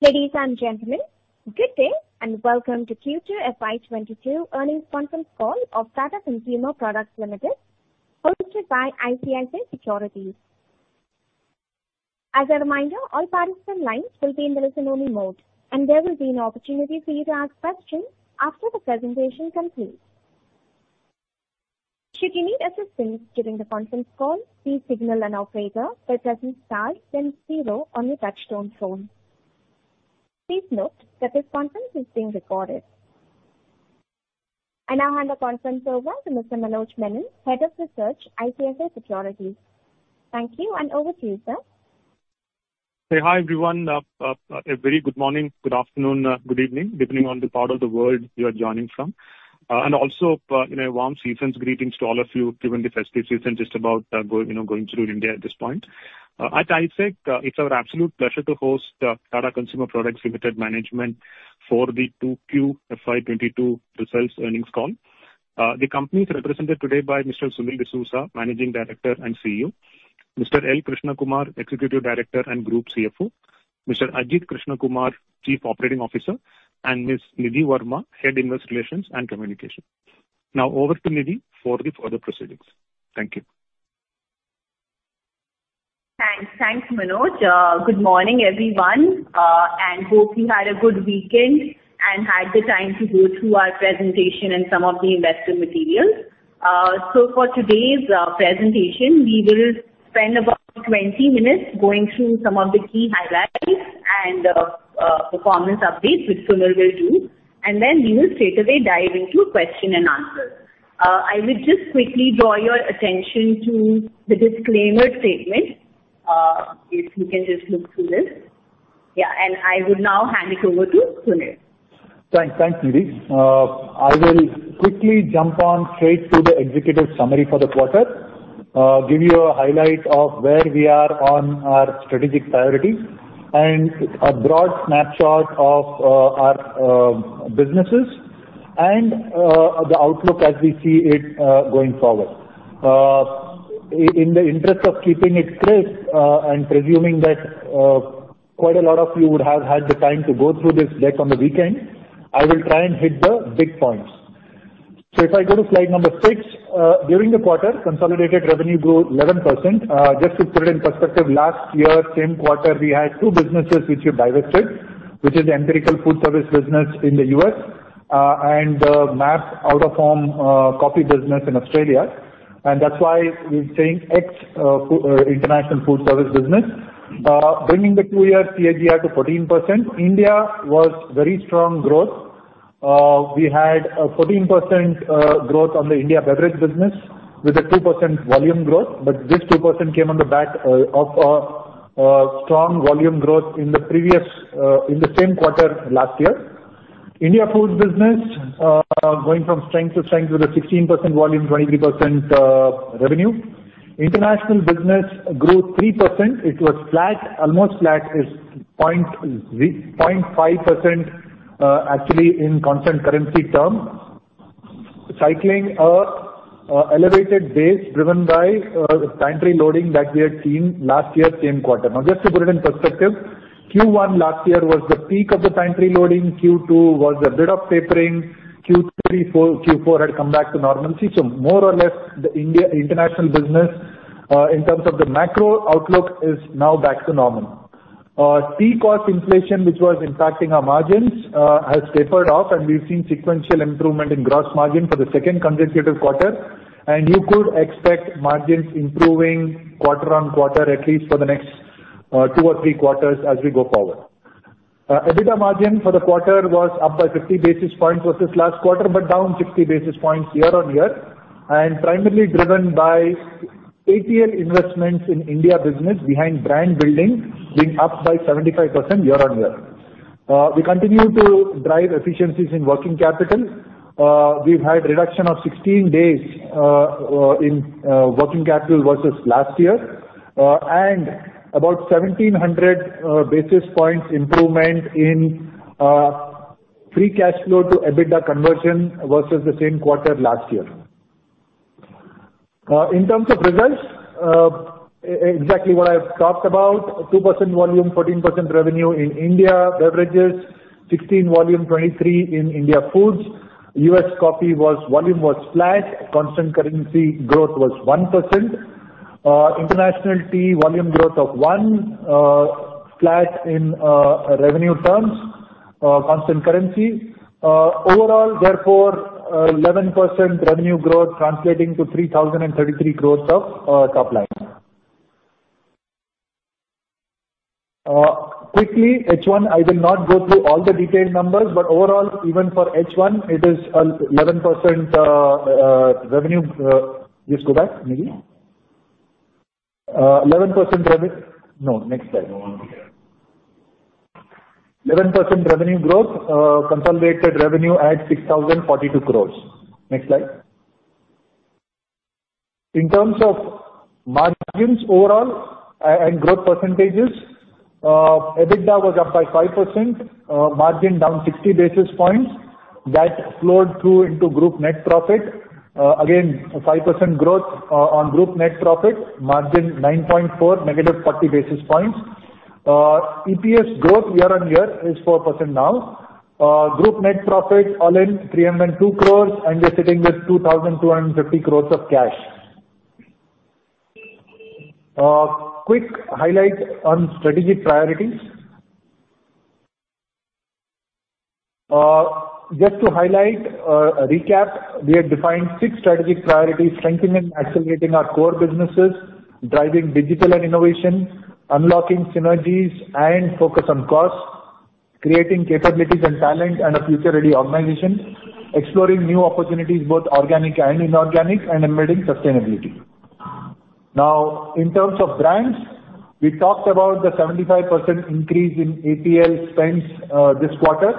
Ladies and gentlemen, good day, and welcome to Q2 FY 2022 earnings conference call of Tata Consumer Products Limited, hosted by ICICI Securities. As a reminder, all participant lines will be in listen-only mode, and there will be an opportunity for you to ask questions after the presentation concludes. Should you need assistance during the conference call, please signal an operator by pressing star then zero on your touchtone phone. Please note that this conference is being recorded. I now hand the conference over to Mr. Manoj Menon, Head of Research, ICICI Securities. Thank you, and over to you, sir. Hi, everyone. A very good morning, good afternoon, good evening, depending on the part of the world you are joining from. Also, warm season's greetings to all of you, given the festive season just about going through in India at this point. At ICICI, it's our absolute pleasure to host Tata Consumer Products Limited management for the Q2 FY2022 results earnings call. The company is represented today by Mr. Sunil D'Souza, Managing Director and CEO, Mr. L. Krishnakumar, Executive Director and Group CFO, Mr. Ajit Krishnakumar, Chief Operating Officer, and Ms. Nidhi Verma, Head, Investor Relations and Communication. Now over to Nidhi for the further proceedings. Thank you. Thanks, Manoj. Good morning, everyone, and hope you had a good weekend and had the time to go through our presentation and some of the investor materials. For today's presentation, we will spend about 20 minutes going through some of the key highlights and performance updates, which Sunil will do, and then we will straight away dive into question and answer. I will just quickly draw your attention to the disclaimer statement, if you can just look through this. I would now hand it over to Sunil. Thanks, Nidhi. I will quickly jump on straight to the executive summary for the quarter, give you a highlight of where we are on our strategic priorities, and a broad snapshot of our businesses and the outlook as we see it going forward. In the interest of keeping it crisp, and presuming that quite a lot of you would have had the time to go through this deck on the weekend, I will try and hit the big points. If I go to slide number six, during the quarter, consolidated revenue grew 11%. Just to put it in perspective, last year same quarter, we had two businesses which we divested, which is the Empirical Food service business in the U.S. and the MAP out-of-home coffee business in Australia. That's why we're saying ex-international food service business. Bringing the two-year CAGR to 14%. India was very strong growth. We had a 14% growth on the India beverage business with a 2% volume growth. This 2% came on the back of a strong volume growth in the same quarter last year. India Foods business, going from strength to strength with a 16% volume, 23% revenue. International business grew 3%. It was flat, almost flat, it is 0.5% actually in constant currency term, cycling an elevated base driven by the trade reloading that we had seen last year, same quarter. Just to put it in perspective, Q1 last year was the peak of the trade reloading, Q2 was a bit of tapering. Q3, Q4 had come back to normalcy. More or less the international business, in terms of the macro outlook, is now back to normal. Tea cost inflation, which was impacting our margins, has tapered off. We've seen sequential improvement in gross margin for the second consecutive quarter. You could expect margins improving quarter-on-quarter at least for the next two or three quarters as we go forward. EBITDA margin for the quarter was up by 50 basis points versus last quarter. Down 50 basis points year-on-year, primarily driven by ATL investments in India business behind brand building, being up by 75% year-on-year. We continue to drive efficiencies in working capital. We've had reduction of 16 days in working capital versus last year. About 1,700 basis points improvement in free cash flow to EBITDA conversion versus the same quarter last year. In terms of results, exactly what I've talked about, 2% volume, 14% revenue in India Beverages, 16% volume, 23% in India Foods. U.S. coffee volume was flat. Constant currency growth was 1%. International tea volume growth of 1%, flat in revenue terms, constant currency. Overall, therefore, 11% revenue growth translating to 3,033 crore of top line. Quickly, H1, I will not go through all the detailed numbers, but overall, even for H1, it is 11% revenue. Please go back, Nidhi. 11% revenue. No, next slide. 11% revenue growth, consolidated revenue at 6,042 crore. Next slide. In terms of margins overall and growth percentages, EBITDA was up by 5%, margin down 60 basis points. That flowed through into group net profit. Again, 5% growth on group net profit. Margin 9.4%, -40 basis points. EPS growth year-on-year is 4% now. Group net profit all in 302 crore, and we are sitting with 2,250 crore of cash. A quick highlight on strategic priorities. Just to highlight a recap, we have defined six strategic priorities: strengthening and accelerating our core businesses, driving digital and innovation, unlocking synergies and focus on cost, creating capabilities and talent and a future-ready organization, exploring new opportunities, both organic and inorganic, and embedding sustainability. Now in terms of brands, we talked about the 75% increase in ATL spends this quarter.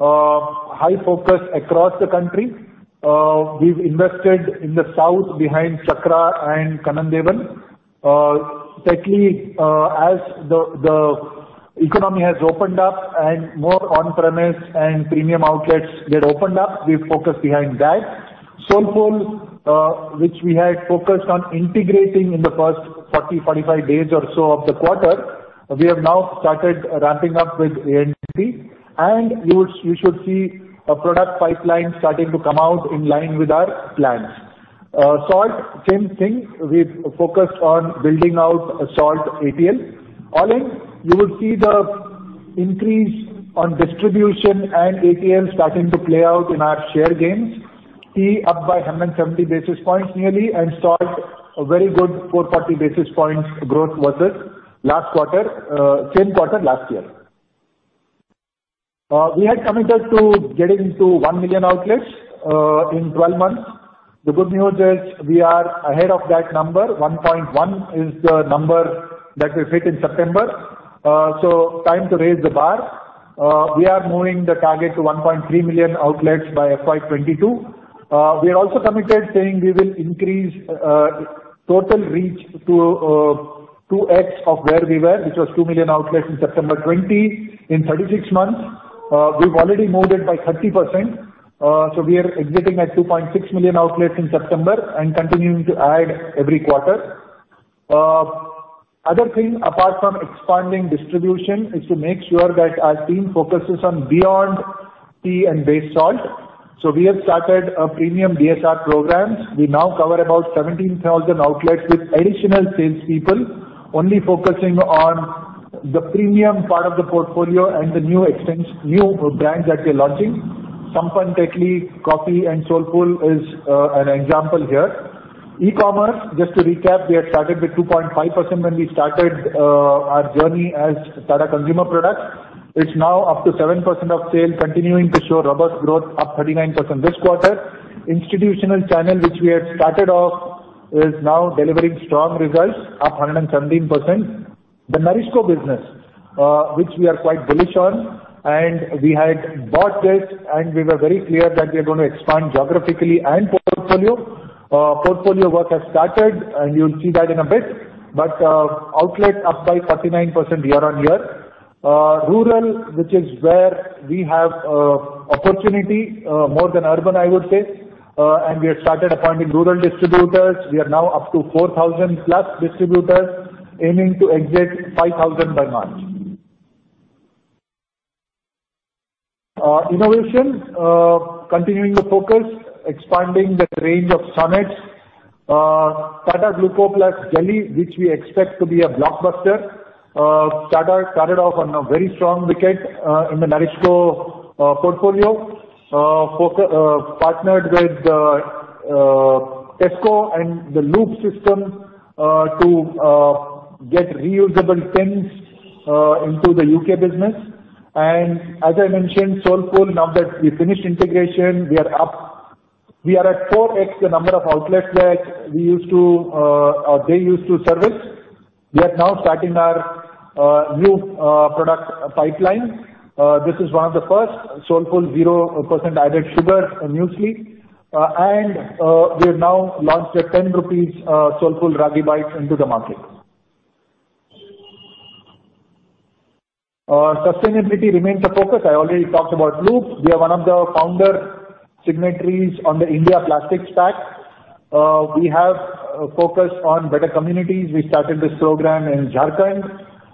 High focus across the country. We've invested in the South behind Chakra and Kanan Devan. Tetley, as the economy has opened up and more on-premise and premium outlets get opened up, we focus behind that. Soulfull, which we had focused on integrating in the first 30, 45 days or so of the quarter, we have now started ramping up with A&P, and you should see a product pipeline starting to come out in line with our plans. Salt, same thing, we've focused on building out salt ATL. All in, you will see the increase on distribution and ATL starting to play out in our share gains. Tea up by 170 basis points nearly, and salt, a very good 440 basis points growth versus same quarter last year. We had committed to getting to 1 million outlets in 12 months. The good news is we are ahead of that number. 1.1 is the number that we hit in September, so time to raise the bar. We are moving the target to 1.3 million outlets by FY 2022. We are also committed saying we will increase total reach to 2x of where we were, which was 2 million outlets in September 2020, in 36 months. We've already moved it by 30%. We are exiting at 2.6 million outlets in September and continuing to add every quarter. Other thing, apart from expanding distribution, is to make sure that our team focuses on beyond tea and base salt so we have started a premium DSR programs. We now cover about 17,000 outlets with additional salespeople, only focusing on the premium part of the portfolio and the new brands that we're launching. Sampann, Tetley, coffee and Soulfull is an example here. E-commerce, just to recap, we had started with 2.5% when we started our journey as Tata Consumer Products. It's now up to 7% of sales, continuing to show robust growth, up 39% this quarter. Institutional channel, which we had started off, is now delivering strong results, up 117%. The NourishCo business, which we are quite bullish on, and we had bought this, and we were very clear that we are going to expand geographically and portfolio. Portfolio work has started, and you'll see that in a bit, but outlet up by 39% year-on-year. Rural, which is where we have opportunity, more than urban, I would say, and we have started appointing rural distributors. We are now up to 4,000+ distributors, aiming to exit 5,000 by March. Innovation, continuing the focus, expanding the range of Soulfull. Tata Gluco+ Jelly, which we expect to be a blockbuster, started off on a very strong wicket in the NourishCo portfolio. Partnered with Tesco and the Loop system to get reusable tins into the U.K. business. As I mentioned, Soulfull, now that we finished integration, we are at 4x the number of outlets that they used to service. We are now starting our new product pipeline. This is one of the first, Soulfull 0% added sugar muesli, and we have now launched an 10 rupees Soulfull Ragi Bites into the market. Sustainability remains a focus. I already talked about Loop. We are one of the founder signatories on the India Plastics Pact. We have focused on better communities. We started this program in Jharkhand.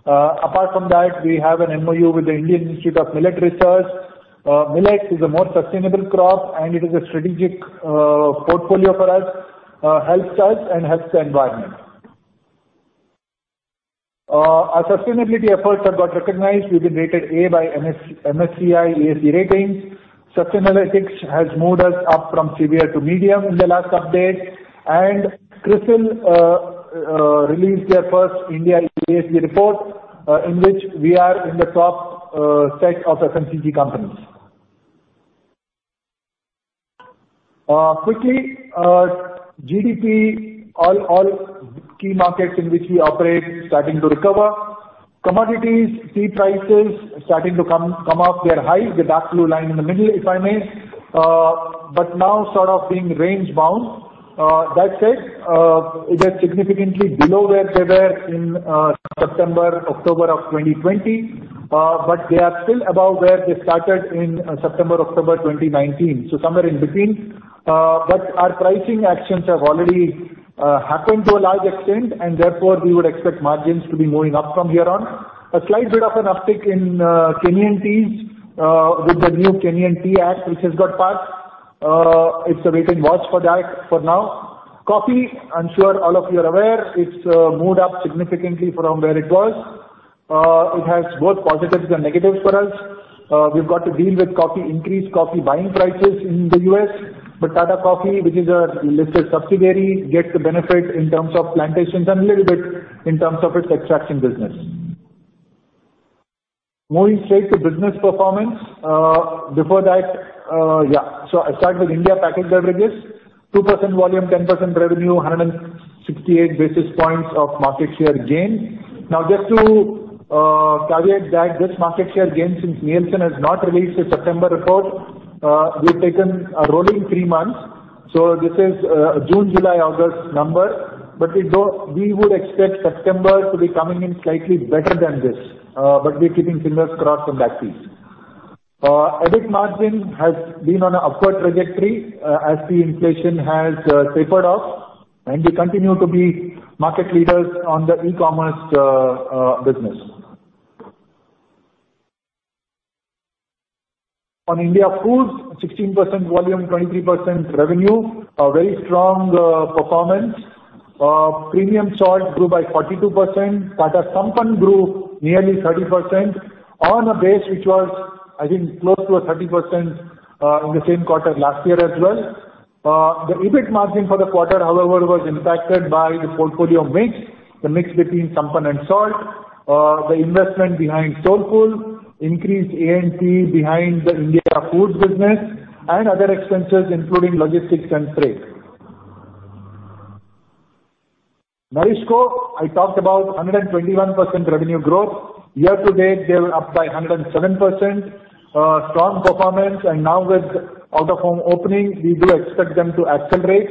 Apart from that, we have an MoU with the Indian Institute of Millets Research. Millet is a more sustainable crop, and it is a strategic portfolio for us. Helps us and helps the environment. Our sustainability efforts have got recognized. We've been rated A by MSCI ESG ratings. Sustainalytics has moved us up from severe to medium in the last update, and CRISIL released their first India ESG report, in which we are in the top set of FMCG companies. Quickly, GDP, all key markets in which we operate starting to recover. Commodities, tea prices starting to come off their high, the dark blue line in the middle, if I may, but now sort of being range-bound. That said, it is significantly below where they were in September, October 2020 but they are still above where they started in September, October 2019. Somewhere in between. Our pricing actions have already happened to a large extent, and therefore we would expect margins to be moving up from here on. A slight bit of an uptick in Kenyan teas with the new Kenyan Tea Act, which has got passed. It's a wait and watch for that for now. Coffee, I'm sure all of you are aware, it's moved up significantly from where it was. It has both positives and negatives for us. We've got to deal with increased coffee buying prices in the U.S. with Tata Coffee, which is our listed subsidiary, gets the benefit in terms of plantations and a little bit in terms of its extraction business. Moving straight to business performance. Before that, I'll start with India packaged beverages, 2% volume, 10% revenue, 168 basis points of market share gain. Now, just to caveat that this market share gain, since Nielsen has not released a September report, we've taken a rolling tree months. This is June, July, August number, but we would expect September to be coming in slightly better than this. We're keeping fingers crossed on that piece. EBIT margin has been on an upward trajectory as the inflation has tapered off, and we continue to be market leaders on the e-commerce business. India Foods, 16% volume, 23% revenue, a very strong performance. Premium salt grew by 42%. Tata Sampann grew nearly 30% on a base, which was, I think, close to a 30% in the same quarter last year as well. The EBIT margin for the quarter, however, was impacted by the portfolio mix, the mix between Sampann and salt, the investment behind Soulfull, increased A&P behind the India Foods business, and other expenses, including logistics and freight. NourishCo, I talked about 121% revenue growth. Year-to-date, they were up by 107%. Strong performance. Now with out-of-home opening, we do expect them to accelerate.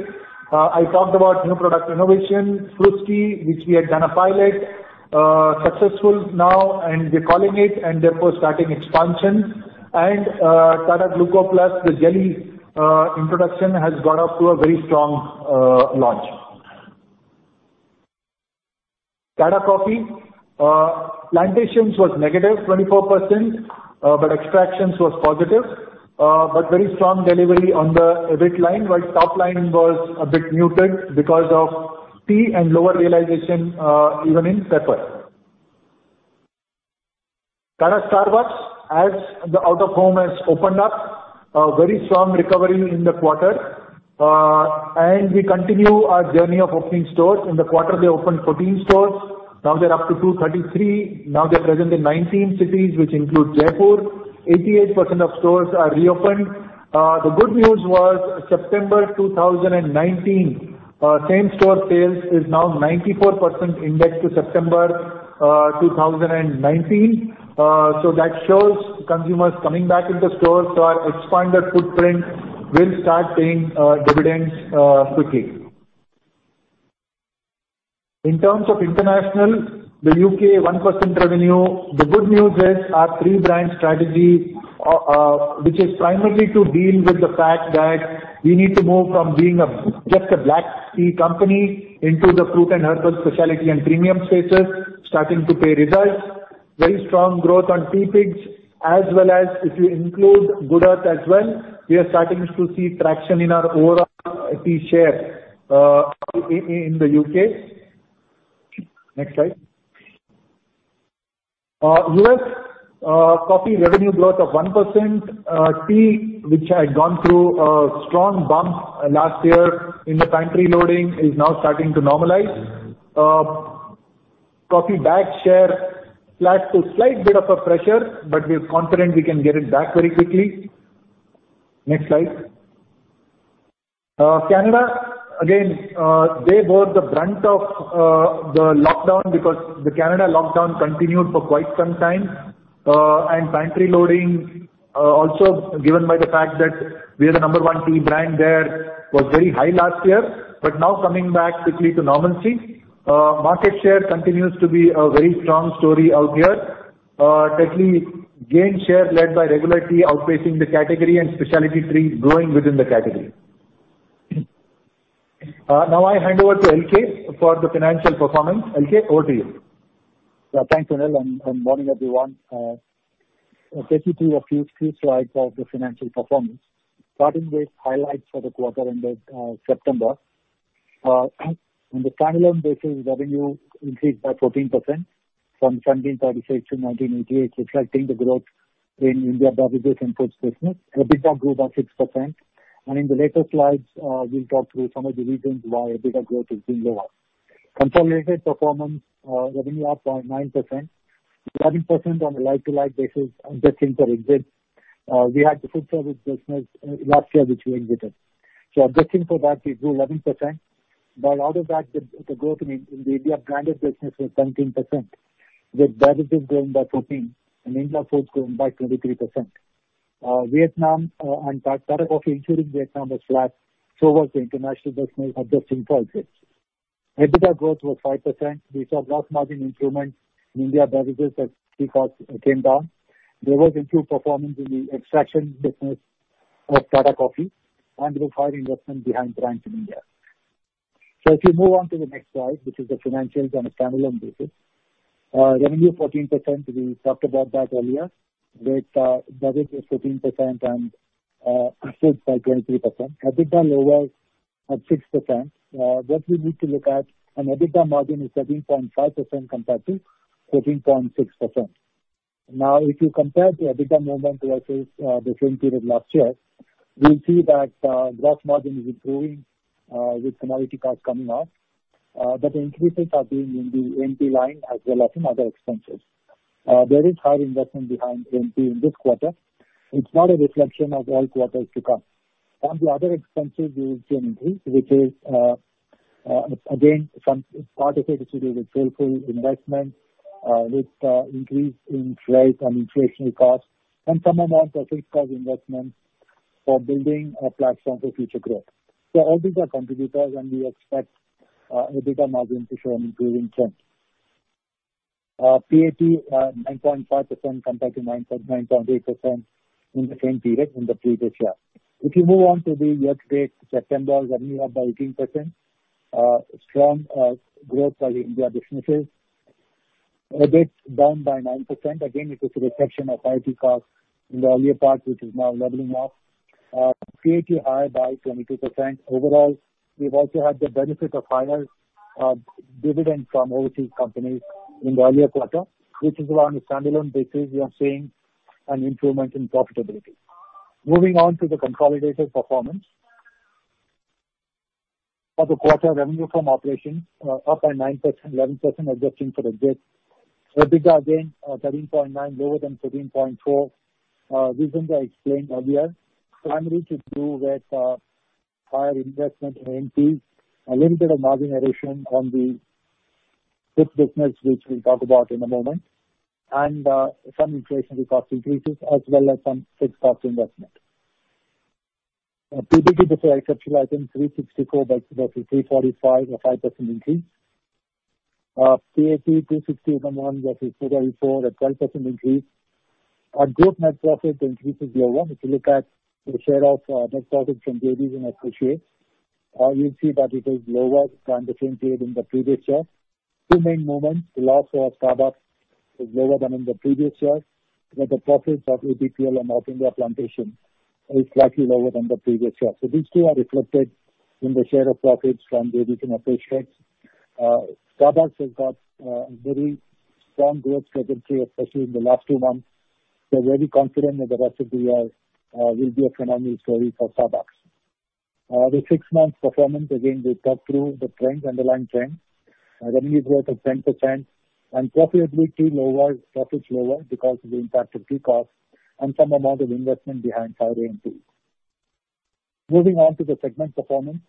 I talked about new product innovation, Fruski, which we had done a pilot, successful now, and we're scaling it, and therefore starting expansion. Tata Gluco+, the jelly introduction has gone off to a very strong launch. Tata Coffee, plantations was -24%, but extractions was positive. Very strong delivery on the EBIT line, while top line was a bit muted because of tea and lower realization even in pepper. Tata Starbucks, as the out-of-home has opened up, a very strong recovery in the quarter. We continue our journey of opening stores. In the quarter, they opened 14 stores. Now they're up to 233. Now they're present in 19 cities, which include Jaipur. 88% of stores are reopened. The good news was September 2019 same store sales is now 94% index to September 2019 so that shows consumers coming back into stores. Our expanded footprint will start paying dividends quickly. In terms of international, the U.K., 1% revenue. The good news is our three-brand strategy, which is primarily to deal with the fact that we need to move from being just a black tea company into the fruit and herbal specialty and premium spaces, starting to pay results. Very strong growth on teapigs, as well as if you include Good Earth as well, we are starting to see traction in our overall tea share in the U.K. Next slide. U.S., coffee revenue growth of 1%. Tea, which had gone through a strong bump last year in the pantry loading, is now starting to normalize. Coffee bag share, flat to slight bit of a pressure, but we're confident we can get it back very quickly. Next slide. Now, Canada, again, they bore the brunt of the lockdown because the Canada lockdown continued for quite some time. Pantry loading, also given by the fact that we are the number one tea brand there, was very high last year, but now coming back quickly to normalcy. Market share continues to be a very strong story out here. Tetley gained share led by regular tea outpacing the category and specialty teas growing within the category. I hand over to L.K. for the financial performance. L.K., over to you. Thanks, Sunil, morning, everyone. I'll take you through a few slides of the financial performance. Starting with highlights for the quarter ended September. On the standalone basis, revenue increased by 14%, from 1,736 to 1,988, reflecting the growth in India beverages and Foods business. EBITDA grew by 6%. In the later slides, we'll talk through some of the reasons why EBITDA growth has been lower. Consolidated performance, revenue up by 9%, 11% on a like-to-like basis, adjusting for exits. We had the food service business last year, which we exited. Adjusting for that, we grew 11%. Out of that, the growth in the India branded business was 17%, with beverages growing by 14% and India Foods growing by 23%. Vietnam and Tata Coffee, including Vietnam, was flat, so was the international business adjusting for exits. EBITDA growth was 5%. We saw gross margin improvement in India beverages as tea cost came down. There was improved performance in the extraction business of Tata Coffee and required investment behind brands in India. If you move on to the next slide, which is the financials on a standalone basis. Revenue 14%, we talked about that earlier, with beverages 15% and Foods by 23%. EBITDA lower at 6%. What we need to look at on EBITDA margin is 17.5% compared to 13.6%. Now, if you compare the EBITDA momentum versus the same period last year, we see that gross margin is improving with commodity costs coming off, but the increases are being in the A&P line as well as in other expenses. There is high investment behind A&P in this quarter. It's not a reflection of all quarters to come. Come to other expenses, you will see an increase, which is again, some part of it is to do with Soulfullinvestment, with increase in freight and inflationary costs and some amount of fixed cost investment for building a platform for future growth. All these are contributors, and we expect EBITDA margin to show an improving trend. PAT 9.5% compared to 9.8% in the same period in the previous year. If you move on to the year-to-date September revenue up by 18%, strong growth by the India businesses. EBIT down by 9%. Again, it is a reflection of IT costs in the earlier part, which is now leveling off. PAT high by 22% overall. We've also had the benefit of higher dividend from overseas companies in the earlier quarter, which is why on a standalone basis, we are seeing an improvement in profitability. Moving on to the consolidated performance of the quarter revenue from operations up by 9%, 11% adjusting for the debt. EBITDA again, 13.9% lower than 13.4%. Reasons I explained earlier, primarily to do with higher investment in A&P, a little bit of margin erosion on the foods business, which we'll talk about in a moment, and some inflationary cost increases as well as some fixed cost investment. PBT before exceptional items, 364 versus 345, a 5% increase. PAT 361 versus INR 434, a 12% increase. Our group net profit increases year-on-year. If you look at the share of net profits from JVs and associates, you'll see that it is lower than the same period in the previous year. Two main moments. The loss for Starbucks is lower than in the previous year, the profits of APPL and South India Plantation is slightly lower than the previous year. These two are reflected in the share of profits from JVs and associates. Starbucks has got a very strong growth trajectory, especially in the last two months. We're very confident that the rest of the year will be a phenomenal story for Starbucks. The six-month performance, again, we cut through the trend, underlying trend. Revenue growth of 10% and profitability lower, profits lower because of the impact of peak costs and some amount of investment behind A&P. Moving on to the segment performance.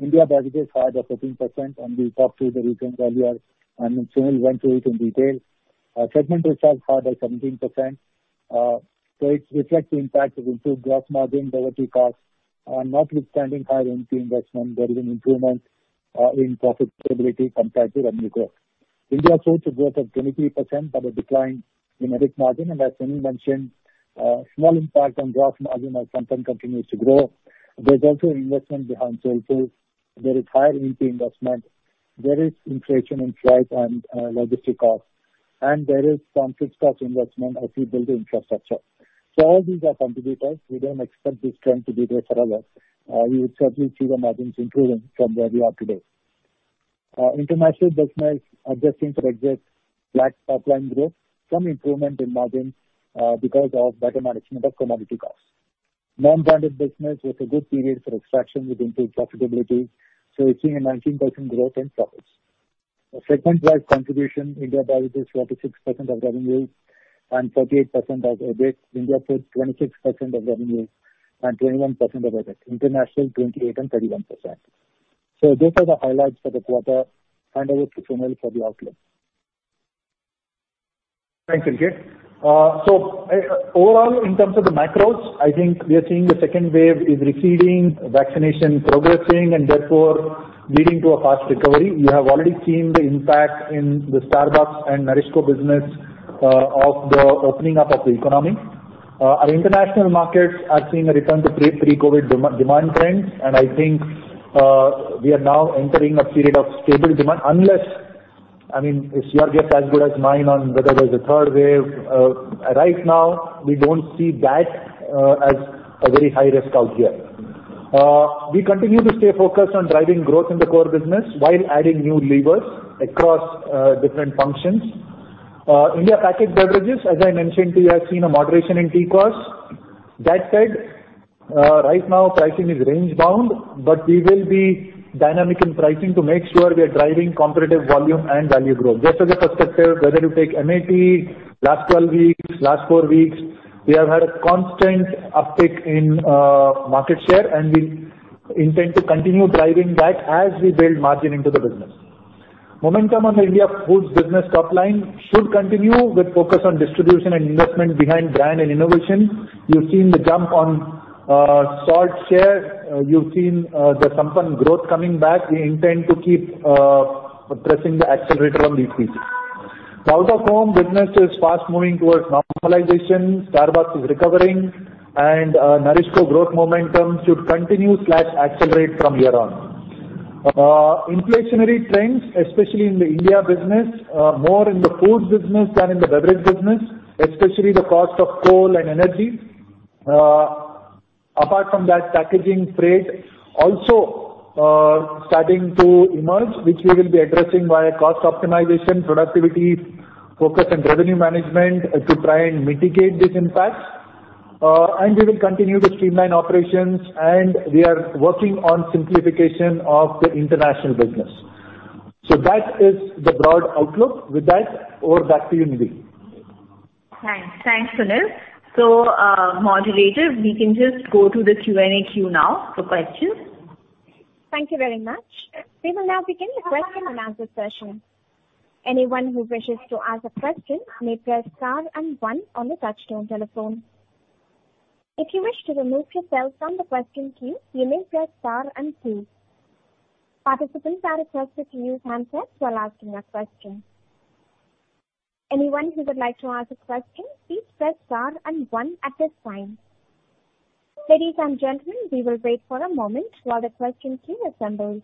India Beverages higher by 14%, and we talked through the reasons earlier, and Sunil went through it in detail. Segment results higher by 17%. It reflects the impact of improved gross margin over tea costs and notwithstanding higher A&P investment, there is an improvement in profitability compared to revenue growth. India Foods, a growth of 23% but a decline in EBIT margin. As Sunil mentioned, a small impact on gross margin as Sampann continues to grow. There is also investment behind sales tools. There is higher A&P investment, there is inflation in freight and logistic costs, and there is some fixed cost investment as we build infrastructure. All these are contributors. We don't expect this trend to be there forever. We would certainly see the margins improving from where we are today. International business, adjusting for exits, flat top-line growth, some improvement in margin because of better management of commodity costs. Non-branded business was a good period for extraction, which improved profitability, so we're seeing a 19% growth in profits. Segment-wise contribution, India Beverages 46% of revenues and 38% of EBIT. India Foods 26% of revenues and 21% of EBIT. International 28% and 31%. Those are the highlights for the quarter and over to Sunil for the outlook. Thanks, LK. Overall, in terms of the macros, I think we are seeing the second wave is receding, vaccination progressing, and therefore leading to a fast recovery. We have already seen the impact in the Starbucks and NourishCo business of the opening up of the economy. Our international markets are seeing a return to pre-COVID demand trends, and I think we are now entering a period of stable demand. Unless, if your guess is as good as mine on whether there's a third wave. Right now, we don't see that as a very high risk out here. We continue to stay focused on driving growth in the core business while adding new levers across different functions. India packaged beverages, as I mentioned to you, has seen a moderation in tea costs. That said, right now pricing is range bound. We will be dynamic in pricing to make sure we are driving competitive volume and value growth. Just as a perspective, whether you take MAT last 12 weeks, last four weeks, we have had a constant uptick in market share and we intend to continue driving that as we build margin into the business. Momentum on the India Foods business top line should continue with focus on distribution and investment behind brand and innovation. You've seen the jump on salt share, you've seen the Sampann growth coming back. We intend to keep pressing the accelerator on these features. The out-of-home business is fast moving towards normalization. Starbucks is recovering. NourishCo growth momentum should continue/accelerate from here on. Inflationary trends, especially in the India business, more in the Foods business than in the Beverage business, especially the cost of coal and energy. Apart from that, packaging freight also starting to emerge, which we will be addressing via cost optimization, productivity, focus on revenue management to try and mitigate these impacts. We will continue to streamline operations, and we are working on simplification of the international business. That is the broad outlook. With that, over back to you, Nidhi. Thanks, Sunil. Moderator, we can just go to the Q&A queue now for questions. Thank you very much. We will now begin the question-and-answer session. Anyone who wishes to ask a question, you may press star and one on the touchtone telephone. If you wish to remove yourself from the question queue, you may press star and two. Participants are requested to use handsets while asking a question. Anyone who would like to ask a question, please press star and one at this point. Ladies and gentlemen, we will wait for a moment while the question queue assembles.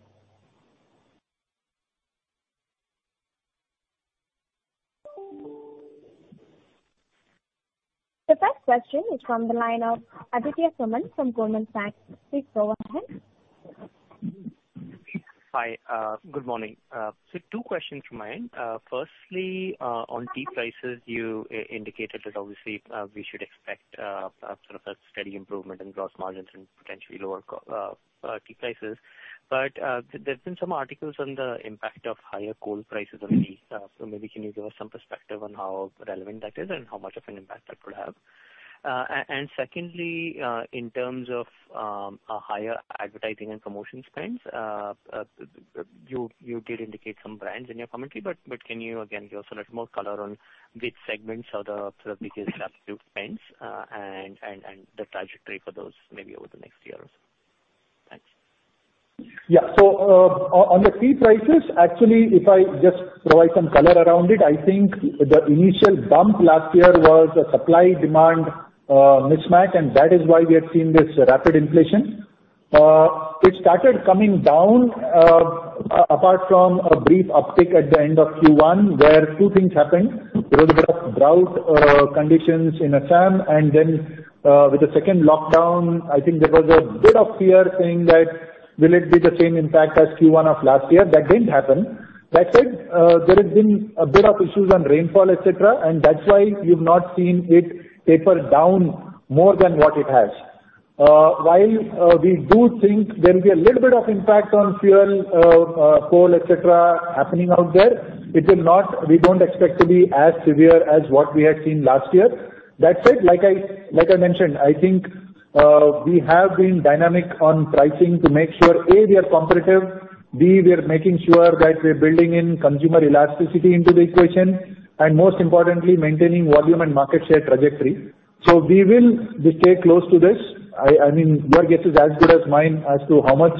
The first question is from the line of Aditya Soman from Goldman Sachs. Please go ahead. Hi. Good morning. Two questions from my end. Firstly, on tea prices, you indicated that obviously we should expect sort of a steady improvement in gross margins and potentially lower tea prices. There's been some articles on the impact of higher coal prices on tea. Maybe can you give us some perspective on how relevant that is and how much of an impact that could have? Secondly, in terms of higher advertising and promotion spends, you did indicate some brands in your commentary, but can you again give us a little more color on which segments are the biggest absolute spends and the trajectory for those maybe over the next year or so? Thanks. On the tea prices, actually, if I just provide some color around it, I think the initial bump last year was a supply-demand mismatch, and that is why we had seen this rapid inflation. It started coming down, apart from a brief uptick at the end of Q1, where two things happened. There was a bit of drought conditions in Assam, and then with the second lockdown, I think there was a bit of fear saying that will it be the same impact as Q1 of last year? That didn't happen. That said, there has been a bit of issues on rainfall, etc., and that's why you've not seen it taper down more than what it has. While we do think there will be a little bit of impact on fuel, coal, etc., happening out there, we don't expect to be as severe as what we had seen last year. That said, like I mentioned, I think we have been dynamic on pricing to make sure, A, we are competitive, B, we are making sure that we're building in consumer elasticity into the equation, and most importantly, maintaining volume and market share trajectory so we will just stay close to this. Your guess is as good as mine as to how much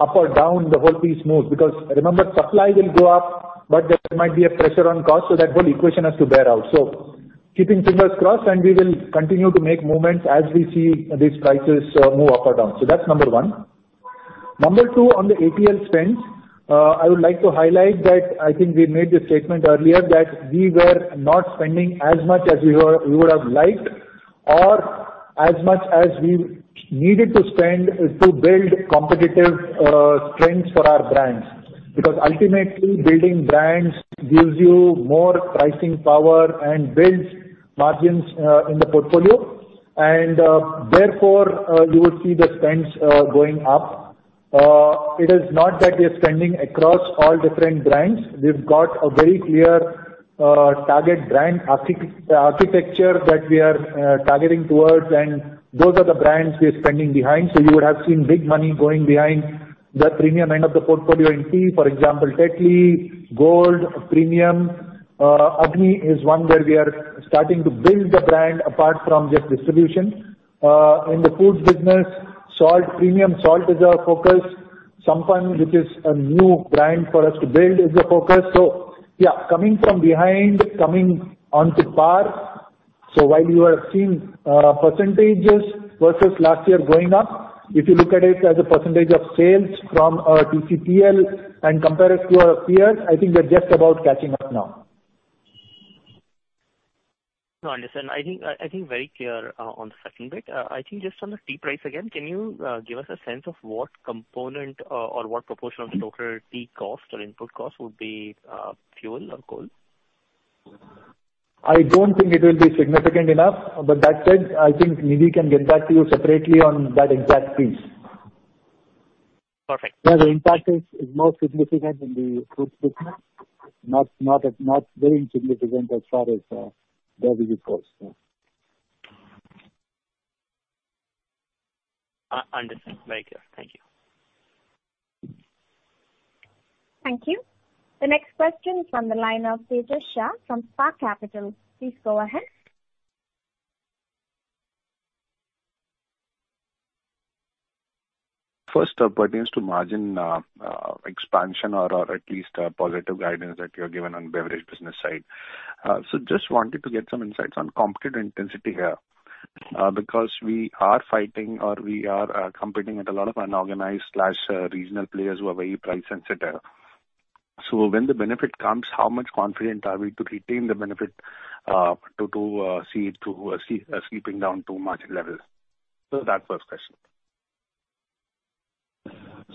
up or down the whole piece moves, because remember, supply will go up, but there might be a pressure on cost, so that whole equation has to bear out. Keeping fingers crossed, and we will continue to make movements as we see these prices move up or down so that's number one. Number two, on the ATL spends, I would like to highlight that I think we made the statement earlier that we were not spending as much as we would have liked or as much as we needed to spend to build competitive strengths for our brands becaause ultimately, building brands gives you more pricing power and builds margins in the portfolio, and therefore, you will see the spends going up. It is not that we are spending across all different brands. We've got a very clear target brand architecture that we are targeting towards, and those are the brands we are spending behind. You would have seen big money going behind the premium end of the portfolio in tea, for example, Tetley, Gold, Premium. Agni is one where we are starting to build the brand apart from just distribution. In the Foods business, premium salt is our focus. Sampann, which is a new brand for us to build, is a focus. Yeah, coming from behind, coming on to par. While you have seen percentages versus last year going up, if you look at it as a percentage of sales from TCPL and compare it to our peers, I think we're just about catching up now. No, understood. I think very clear on the second bit. I think just on the tea price again, can you give us a sense of what component or what proportion of the total tea cost or input cost would be fuel or coal? I don't think it will be significant enough. That said, I think Nidhi can get back to you separately on that exact piece. Perfect. Yeah, the impact is more significant in the Foods business, not very significant as far as tea costs. Understood. Very clear. Thank you. Thank you. The next question from the line of Tejash Shah from Spark Capital. Please go ahead. First up pertains to margin expansion or at least a positive guidance that you have given on beverage business side. Just wanted to get some insights on competitive intensity here because we are fighting or we are competing with a lot of unorganized/regional players who are very price sensitive. When the benefit comes, how much confident are we to retain the benefit to seeping down to margin levels? That's first question.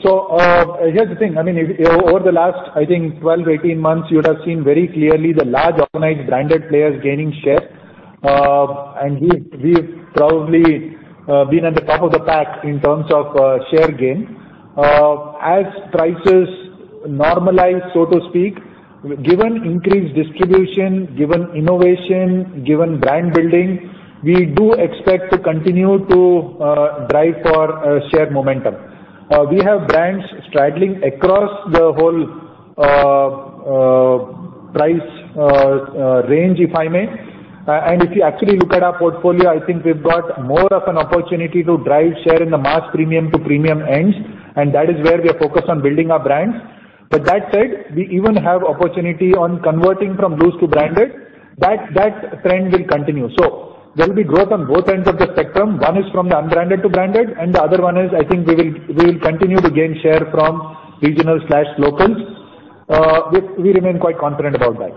Here's the thing. Over the last, I think 12-18 months, you would have seen very clearly the large organized branded players gaining share. We've probably been at the top of the pack in terms of share gain. As prices normalize, so to speak, given increased distribution, given innovation, given brand building, we do expect to continue to drive for share momentum. We have brands straddling across the whole price range, if I may. If you actually look at our portfolio, I think we've got more of an opportunity to drive share in the mass premium to premium ends, and that is where we are focused on building our brands. That said, we even have opportunity on converting from loose to branded. That trend will continue. There will be growth on both ends of the spectrum. One is from the unbranded to branded, and the other one is, I think we will continue to gain share from regional/locals. We remain quite confident about that.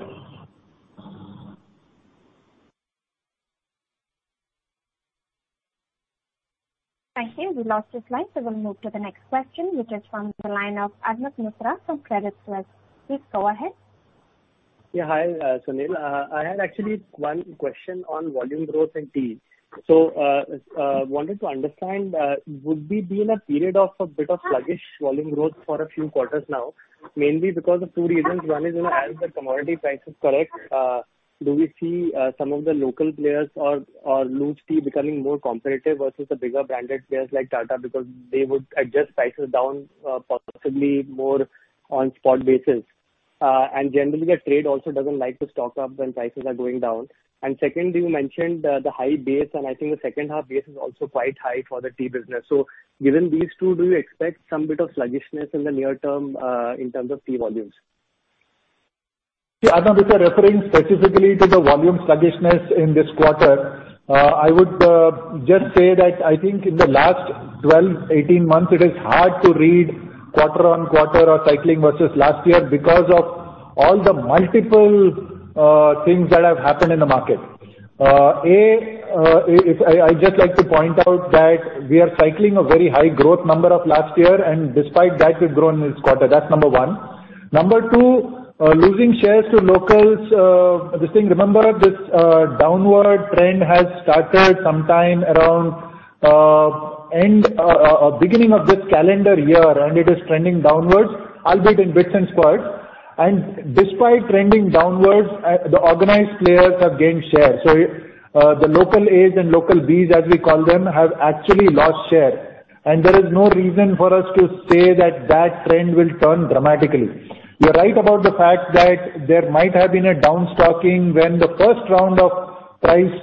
Thank you. We lost your line. We'll move to the next question, which is from the line of Arnab Mitra from Credit Suisse. Please go ahead. Hi, Sunil. I had actually one question on volume growth and tea. Wanted to understand, would we be in a period of a bit of sluggish volume growth for a few quarters now, mainly because of two reasons. One is, as the commodity prices correct, do we see some of the local players or loose tea becoming more competitive versus the bigger branded players like Tata because they would adjust prices down possibly more on spot basis. Generally, the trade also doesn't like to stock up when prices are going down. Second, you mentioned the high base, and I think the second half base is also quite high for the tea business. Given these two, do you expect some bit of sluggishness in the near term in terms of tea volumes? Arnarb, if you're referring specifically to the volume sluggishness in this quarter, I would just say that I think in the last 12, 18 months, it is hard to read quarter-on-quarter or cycling versus last year because of all the multiple things that have happened in the market. I'd just like to point out that we are cycling a very high growth number of last year, and despite that, we've grown this quarter. That's number one. Number two, losing shares to locals. Remember, this downward trend has started sometime around beginning of this calendar year, and it is trending downwards, albeit in bits and spurts. Despite trending downwards, the organized players have gained share. The local As and local Bs, as we call them, have actually lost share. There is no reason for us to say that trend will turn dramatically. You're right about the fact that there might have been a downstocking when the first round of price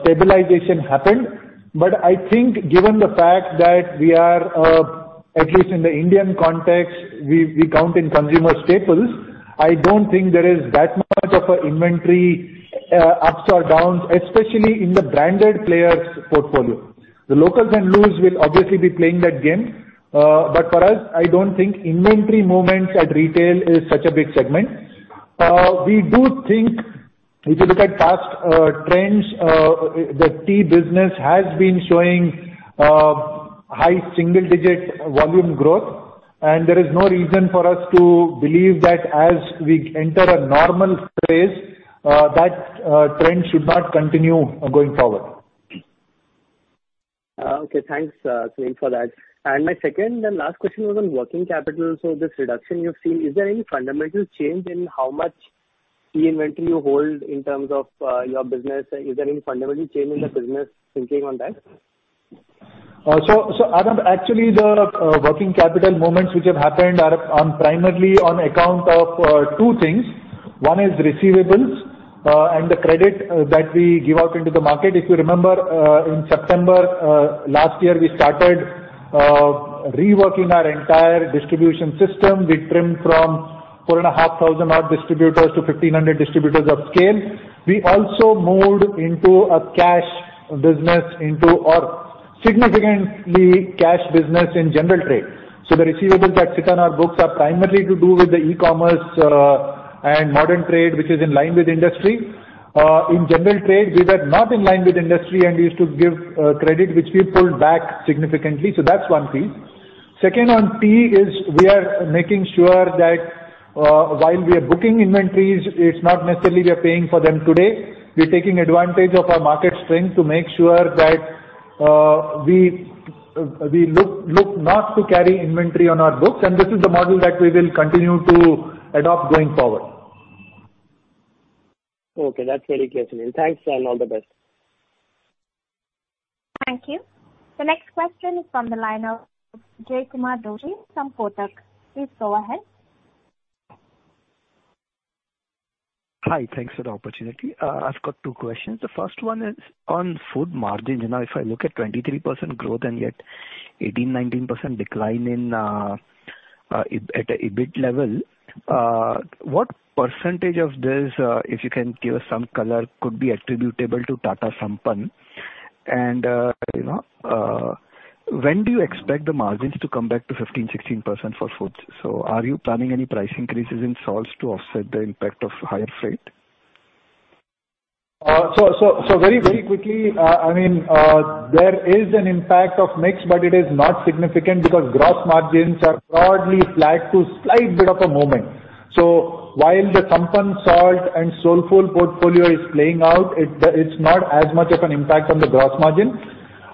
stabilization happened. I think given the fact that we are, at least in the Indian context, we count in consumer staples, I don't think there is that much of an inventory ups or downs, especially in the branded players' portfolio. The locals and loose will obviously be playing that game. For us, I don't think inventory movements at retail is such a big segment. We do think if you look at past trends, the tea business has been showing high single-digit volume growth, and there is no reason for us to believe that as we enter a normal phase, that trend should not continue going forward. Okay, thanks, Sunil, for that. My second and last question was on working capital so this reduction you've seen, is there any fundamental change in how much tea inventory you hold in terms of your business? Is there any fundamental change in the business thinking on that? Arnarb, actually, the working capital movements which have happened are primarily on account of two things. One is receivables and the credit that we give out into the market. If you remember, in September last year, we started reworking our entire distribution system. We trimmed from 4,500-odd distributors to 1,500 distributors of scale. We also moved into a significantly cash business in general trade. The receivables that sit on our books are primarily to do with the e-commerce and modern trade, which is in line with industry. In general trade, we were not in line with industry, and we used to give credit, which we pulled back significantly. That's one piece. Second on tea is we are making sure that while we are booking inventories, it's not necessarily we are paying for them today. We're taking advantage of our market strength to make sure that we look not to carry inventory on our books, and this is the model that we will continue to adopt going forward. Okay, that's very clear to me. Thanks, and all the best. Thank you. The next question is from the line of Jaykumar Doshi from Kotak. Please go ahead. Hi. Thanks for the opportunity. I've got two questions. The first one is on Foods margin. If I look at 23% growth and yet 18%-19% decline at the EBIT level, what percentage of this, if you can give us some color, could be attributable to Tata Sampann? When do you expect the margins to come back to 15%-16% for Foods? Are you planning any price increases in salts to offset the impact of higher freight? Very quickly, there is an impact of mix, but it is not significant because gross margins are broadly flat to a slight bit of a moment. While the Sampann salt and Soulfull portfolio is playing out, it is not as much of an impact on the gross margin.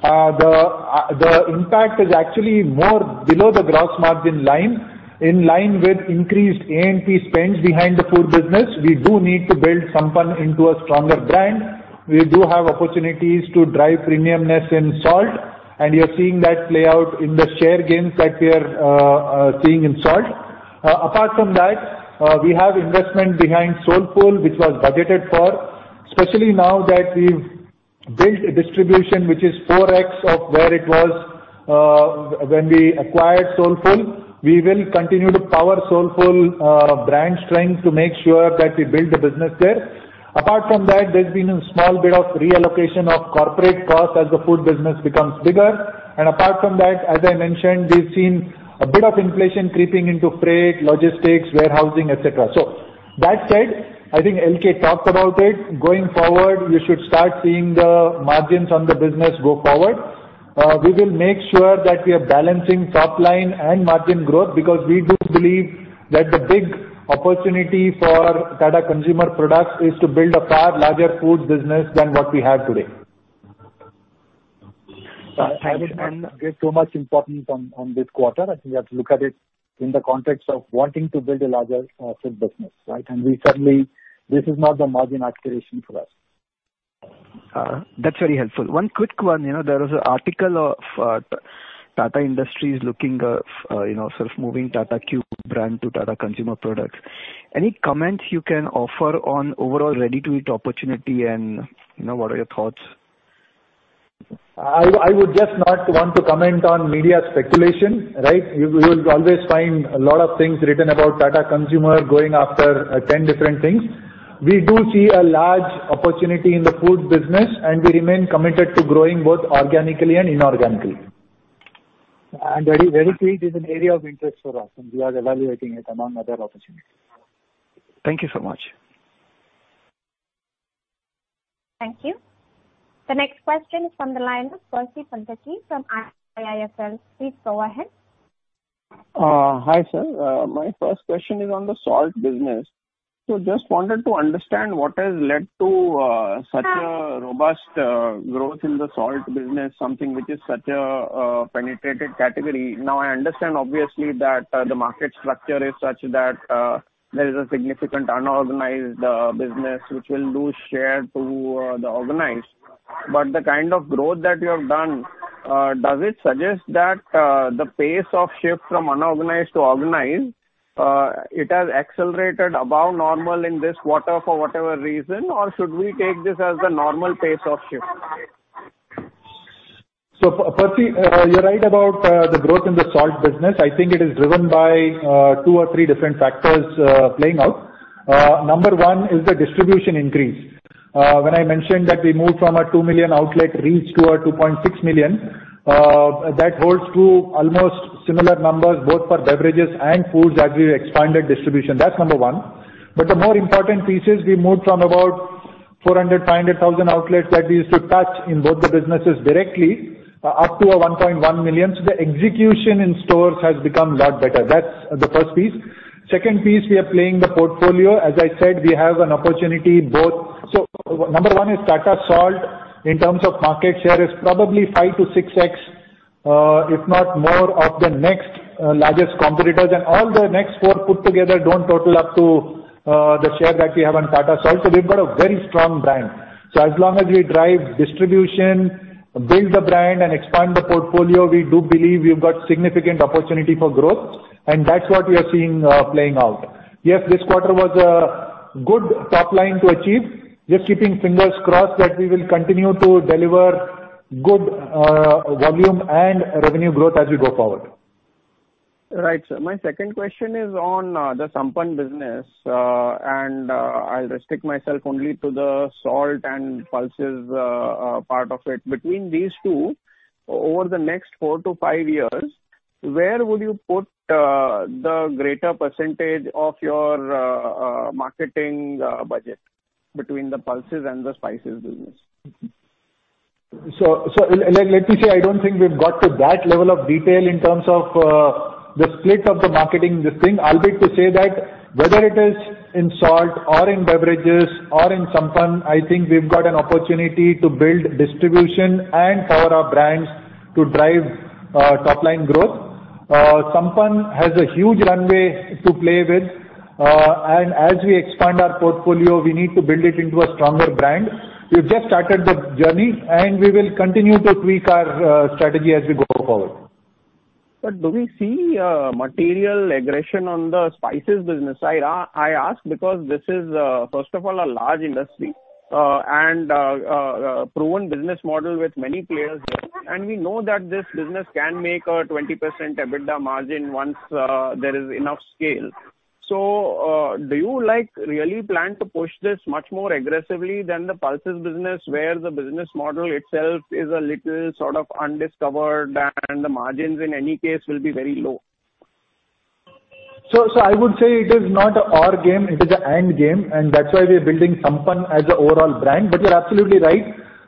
The impact is actually more below the gross margin line, in line with increased A&P spends behind the Foods business. We do need to build Sampann into a stronger brand. We do have opportunities to drive premiumness in salt, and we are seeing that play out in the share gains that we are seeing in salt. Apart from that, we have investment behind Soulfull, which was budgeted for, especially now that we have built a distribution which is 4x of where it was when we acquired Soulfull. We will continue to power Soulfull brand strength to make sure that we build the business there. Apart from that, there's been a small bit of reallocation of corporate costs as the food business becomes bigger. Apart from that, as I mentioned, we've seen a bit of inflation creeping into freight, logistics, warehousing, etc. That said, I think L.K. Talked about it. Going forward, we should start seeing the margins on the business go forward. We will make sure that we are balancing top line and margin growth because we do believe that the big opportunity for Tata Consumer Products is to build a far larger foods business than what we have today. I wouldn't give too much importance on this quarter. I think we have to look at it in the context of wanting to build a larger food business. Certainly, this is not the margin acceleration for us. That's very helpful. One quick one. There was an article of Tata Industries looking at moving Tata Q brand to Tata Consumer Products. Any comments you can offer on overall ready-to-eat opportunity, and what are your thoughts? I would just not want to comment on media speculation. You will always find a lot of things written about Tata Consumer going after 10 different things. We do see a large opportunity in the food business, and we remain committed to growing both organically and inorganically. Ready-to-eat is an area of interest for us, and we are evaluating it among other opportunities. Thank you so much. Thank you. The next question is from the line of Percy Panthaki from IIFL. Please go ahead. Hi, sir. My first question is on the salt business. just wanted to understand what has led to such a robust growth in the salt business, something which is such a penetrated category. I understand obviously that the market structure is such that there is a significant unorganized business which will lose share to the organized. The kind of growth that you have done, does it suggest that the pace of shift from unorganized to organized, it has accelerated above normal in this quarter for whatever reason, or should we take this as the normal pace of shift? Percy, you're right about the growth in the salt business. I think it is driven by two or three different factors playing out. Number 1 is the distribution increase. When I mentioned that we moved from a 2 million outlet reach to a 2.6 million, that holds true almost similar numbers both for Beverages and Foods as we expanded distribution. That's number one. The more important piece is we moved from about 400,000-500,000 outlets that we used to touch in both the businesses directly up to a 1.1 million. The execution in stores has become a lot better. That's the first piece. Second piece, we are playing the portfolio. As I said, we have an opportunity both. Number one is Tata Salt, in terms of market share is probably 5x-6x, if not more of the next largest competitors, and all the next four put together don't total up to the share that we have in Tata Salt. We've got a very strong brand. As long as we drive distribution, build the brand, and expand the portfolio, we do believe we've got significant opportunity for growth, and that's what we are seeing playing out. Yes, this quarter was a good top line to achieve. Just keeping fingers crossed that we will continue to deliver good volume and revenue growth as we go forward. My second question is on the Sampann business. I'll restrict myself only to the salt and pulses part of it. Between these two, over the next four to five years, where would you put the greater percentage of your marketing budget between the pulses and the spices business? Let me say, I don't think we've got to that level of detail in terms of the split of the marketing thing. I'll be quick to say that whether it is in salt or in beverages or in Sampann, I think we've got an opportunity to build distribution and power our brands to drive top-line growth. Sampann has a huge runway to play with. As we expand our portfolio, we need to build it into a stronger brand. We've just started the journey, and we will continue to tweak our strategy as we go forward. Do we see material aggression on the spices business side? I ask because this is, first of all, a large industry, and a proven business model with many players there, and we know that this business can make a 20% EBITDA margin once there is enough scale. Do you really plan to push this much more aggressively than the pulses business, where the business model itself is a little sort of undiscovered, and the margins in any case will be very low? I would say it is not an or game, it is an and game, and that's why we are building Sampann as an overall brand. You're absolutely right,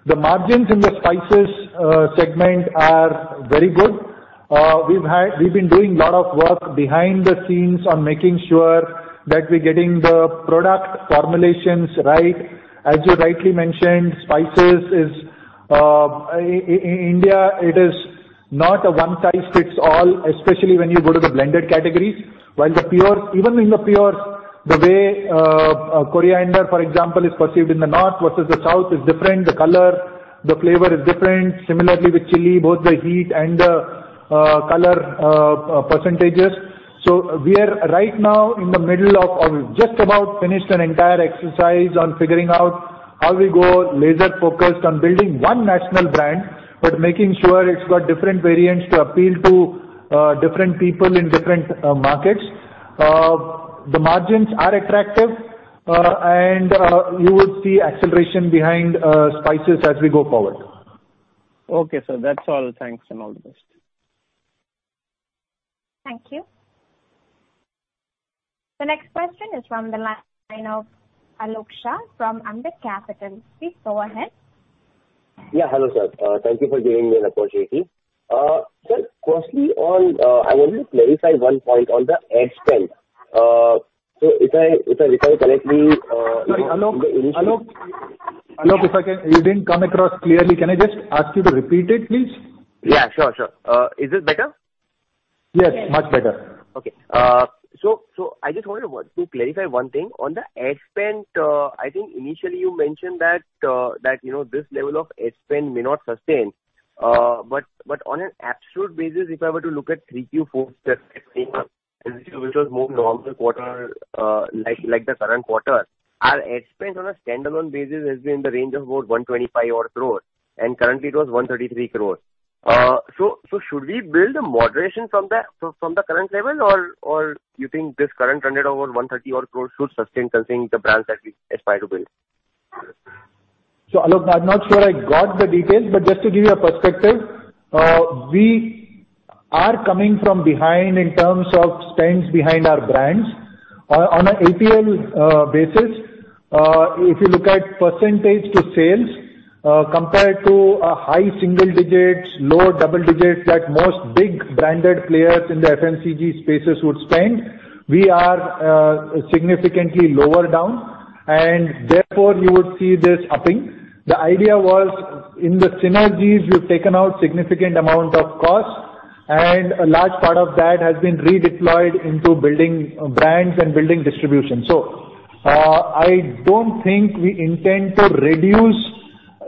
the margins in the spices segment are very good. We've been doing a lot of work behind the scenes on making sure that we're getting the product formulations right. As you rightly mentioned, spices in India, it is not a one-size-fits-all, especially when you go to the blended categories. Even in the pure, the way coriander, for example, is perceived in the north versus the south is different. The color, the flavor is different, similarly with chili, both the heat and the color percentages. We are right now in the middle of, or we've just about finished an entire exercise on figuring out how we go laser-focused on building one national brand, but making sure it's got different variants to appeal to different people in different markets. The margins are attractive, and you will see acceleration behind spices as we go forward. Okay, sir. That's all. Thanks, and all the best. Thank you. The next question is from the line of Alok Shah from Ambit Capital. Please go ahead. Yeah. Hello, sir. Thank you for giving me an opportunity. Sir, firstly, I want to clarify one point on the ad spend. Sorry, Alok. You didn't come across clearly. Can I just ask you to repeat it, please? Yeah, sure. Is this better? Yes, much better. I just wanted to clarify one thing. On the ad spend, I think initially you mentioned that this level of ad spend may not sustain. On an absolute basis, if I were to look at three Q4s which was more normal quarter, like the current quarter, our ad spend on a standalone basis has been in the range of about 125-odd crore, and currently it was 133 crore. Should we build a moderation from the current level? You think this current run rate over 130-odd crore should sustain considering the brands that we aspire to build? Alok, I'm not sure I got the details, but just to give you a perspective, we are coming from behind in terms of spends behind our brands. On an ATL basis, if you look at percentage to sales compared to a high single digits, lower double digits that most big branded players in the FMCG spaces would spend, we are significantly lower down, and therefore you would see this upping. The idea was, in the synergies, we've taken out significant amount of cost, and a large part of that has been redeployed into building brands and building distribution. I don't think we intend to reduce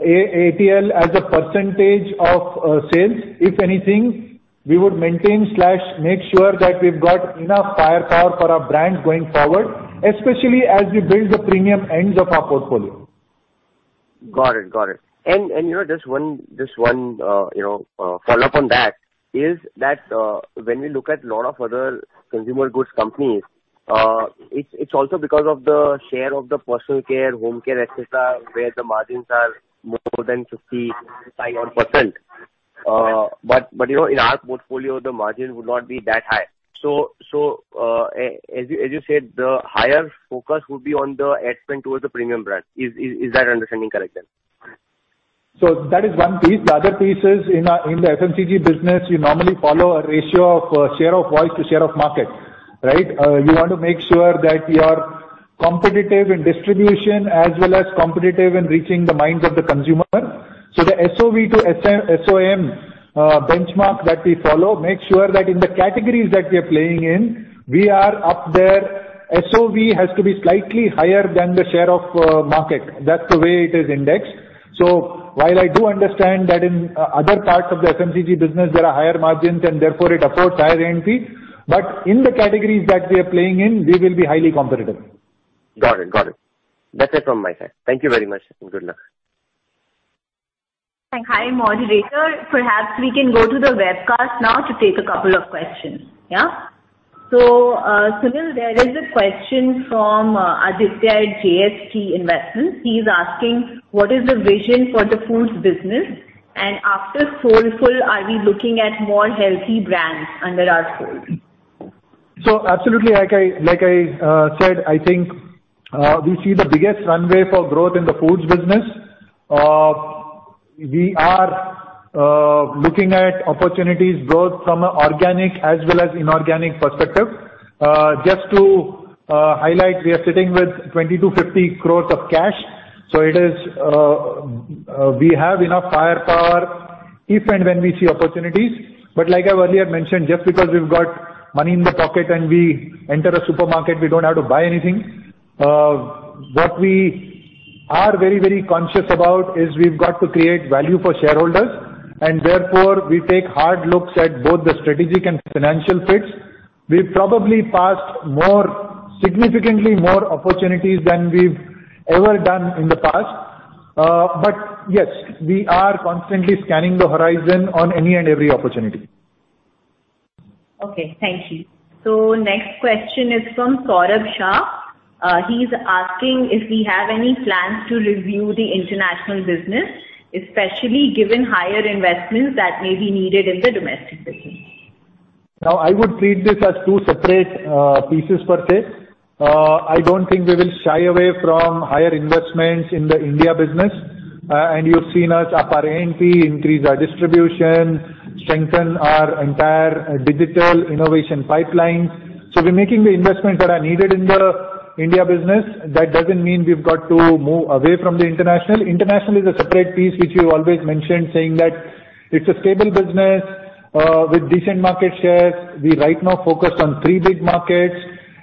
ATL as a percentage of sales. If anything, we would maintain/make sure that we've got enough firepower for our brands going forward, especially as we build the premium ends of our portfolio. Got it. Just one follow-up on that is that when we look at a lot of other consumer goods companies, it's also because of the share of the personal care, home care, etc., where the margins are more than 55%-odd. In our portfolio, the margin would not be that high. As you said, the higher focus would be on the ad spend towards the premium brand. Is that understanding correct then? That is one piece. The other piece is in the FMCG business, you normally follow a ratio of share of voice to share of market, right? You want to make sure that you are competitive in distribution as well as competitive in reaching the minds of the consumer. The SOV to SOM benchmark that we follow makes sure that in the categories that we are playing in, we are up there. SOV has to be slightly higher than the share of market. That's the way it is indexed. While I do understand that in other parts of the FMCG business, there are higher margins, and therefore it affords higher A&P, but in the categories that we are playing in, we will be highly competitive. Got it. That's it from my side. Thank you very much, and good luck. Hi, moderator. Perhaps we can go to the webcast now to take a couple of questions. Yeah? Sunil, there is a question from Aditya at JST Investments. He's asking, "What is the vision for the Foods business? After Soulfull, are we looking at more healthy brands under our fold? Absolutely, like I said, I think we see the biggest runway for growth in the Foods business. We are looking at opportunities both from organic as well as inorganic perspective. Just to highlight, we are sitting with 2,250 crore of cash. We have enough firepower if and when we see opportunities. Like I earlier mentioned, just because we've got money in the pocket and we enter a supermarket, we don't have to buy anything. What we are very conscious about is we've got to create value for shareholders, and therefore we take hard looks at both the strategic and financial fits. We've probably passed significantly more opportunities than we've ever done in the past. Yes, we are constantly scanning the horizon on any and every opportunity. Okay, thank you. Next question is from Saurabh Shah. He's asking if we have any plans to review the international business, especially given higher investments that may be needed in the domestic business. I would treat this as two separate pieces per se. I don't think we will shy away from higher investments in the India business. You've seen us up our A&P, increase our distribution, strengthen our entire digital innovation pipeline. We're making the investments that are needed in the India business. That doesn't mean we've got to move away from the international. International is a separate piece, which we've always mentioned, saying that it's a stable business with decent market shares. We right now focus on three big markets.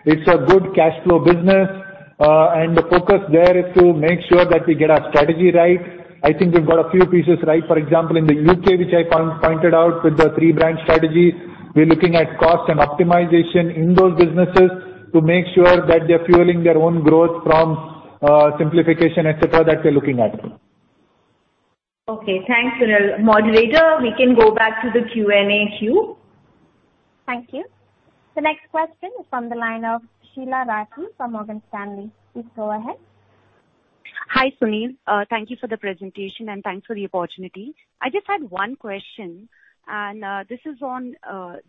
It's a good cash flow business. The focus there is to make sure that we get our strategy right. I think we've got a few pieces right. For example, in the U.K., which I pointed out with the three-brand strategy, we're looking at cost and optimization in those businesses to make sure that they're fueling their own growth from simplification, et cetera, that we're looking at. Okay, thanks, Sunil. Moderator, we can go back to the Q&A queue. Thank you. The next question is from the line of Sheela Rathi from Morgan Stanley. Please go ahead. Hi, Sunil. Thank you for the presentation and thanks for the opportunity. I just had one question, and this is on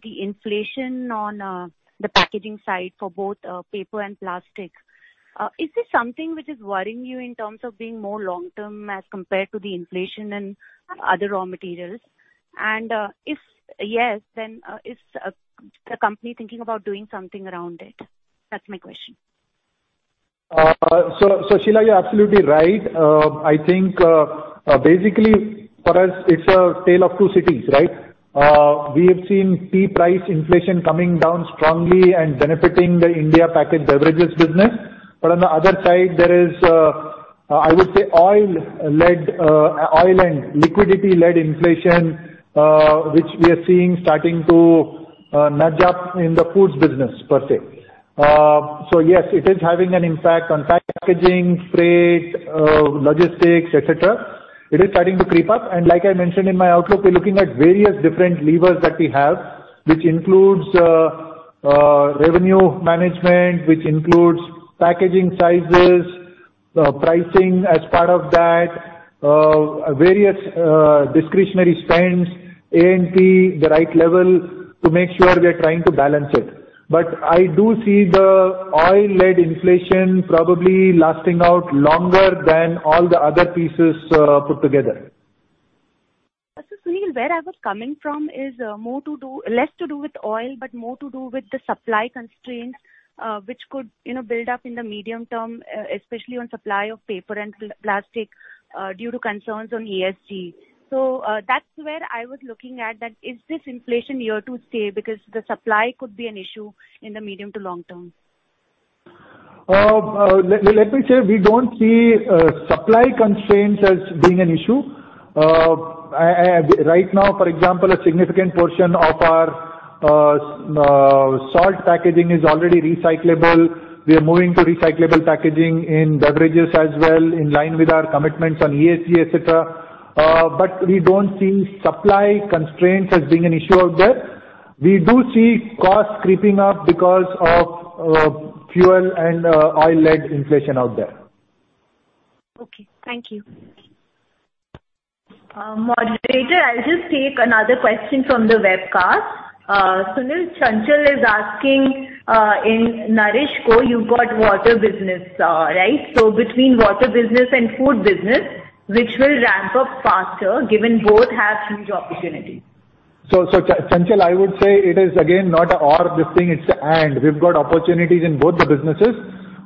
the inflation on the packaging side for both paper and plastic. Is this something which is worrying you in terms of being more long-term as compared to the inflation and other raw materials? If yes, then is the company thinking about doing something around it? That's my question. Sheela Rathi, you're absolutely right. For us, it's a tale of two cities We have seen tea price inflation coming down strongly and benefiting the India packaged beverages business. On the other side, there is, I would say, oil and liquidity-led inflation, which we are seeing starting to nudge up in the Foods business, per se. Yes, it is having an impact on packaging, freight, logistics, etc. It is starting to creep up, and like I mentioned in my outlook, we're looking at various different levers that we have, which includes revenue management, which includes packaging sizes, pricing as part of that, various discretionary spends, A&P, the right level to make sure we're trying to balance it. I do see the oil-led inflation probably lasting out longer than all the other pieces put together. Sunil, where I was coming from is less to do with oil, but more to do with the supply constraints, which could build up in the medium term, especially on supply of paper and plastic due to concerns on ESG. That's where I was looking at, that is this inflation here to stay because the supply could be an issue in the medium to long term. Let me say, we don't see supply constraints as being an issue. Right now, for example, a significant portion of our salt packaging is already recyclable. We are moving to recyclable packaging in beverages as well, in line with our commitments on ESG, etc. We don't see supply constraints as being an issue out there. We do see costs creeping up because of fuel and oil-led inflation out there. Okay. Thank you. Moderator, I'll just take another question from the webcast. Sunil, Chanchal is asking, in NourishCo, you've got water business, right? Between water business and food business, which will ramp up faster given both have huge opportunities? Chanchal, I would say it is again, not an or this thing, it's a and. We've got opportunities in both the businesses.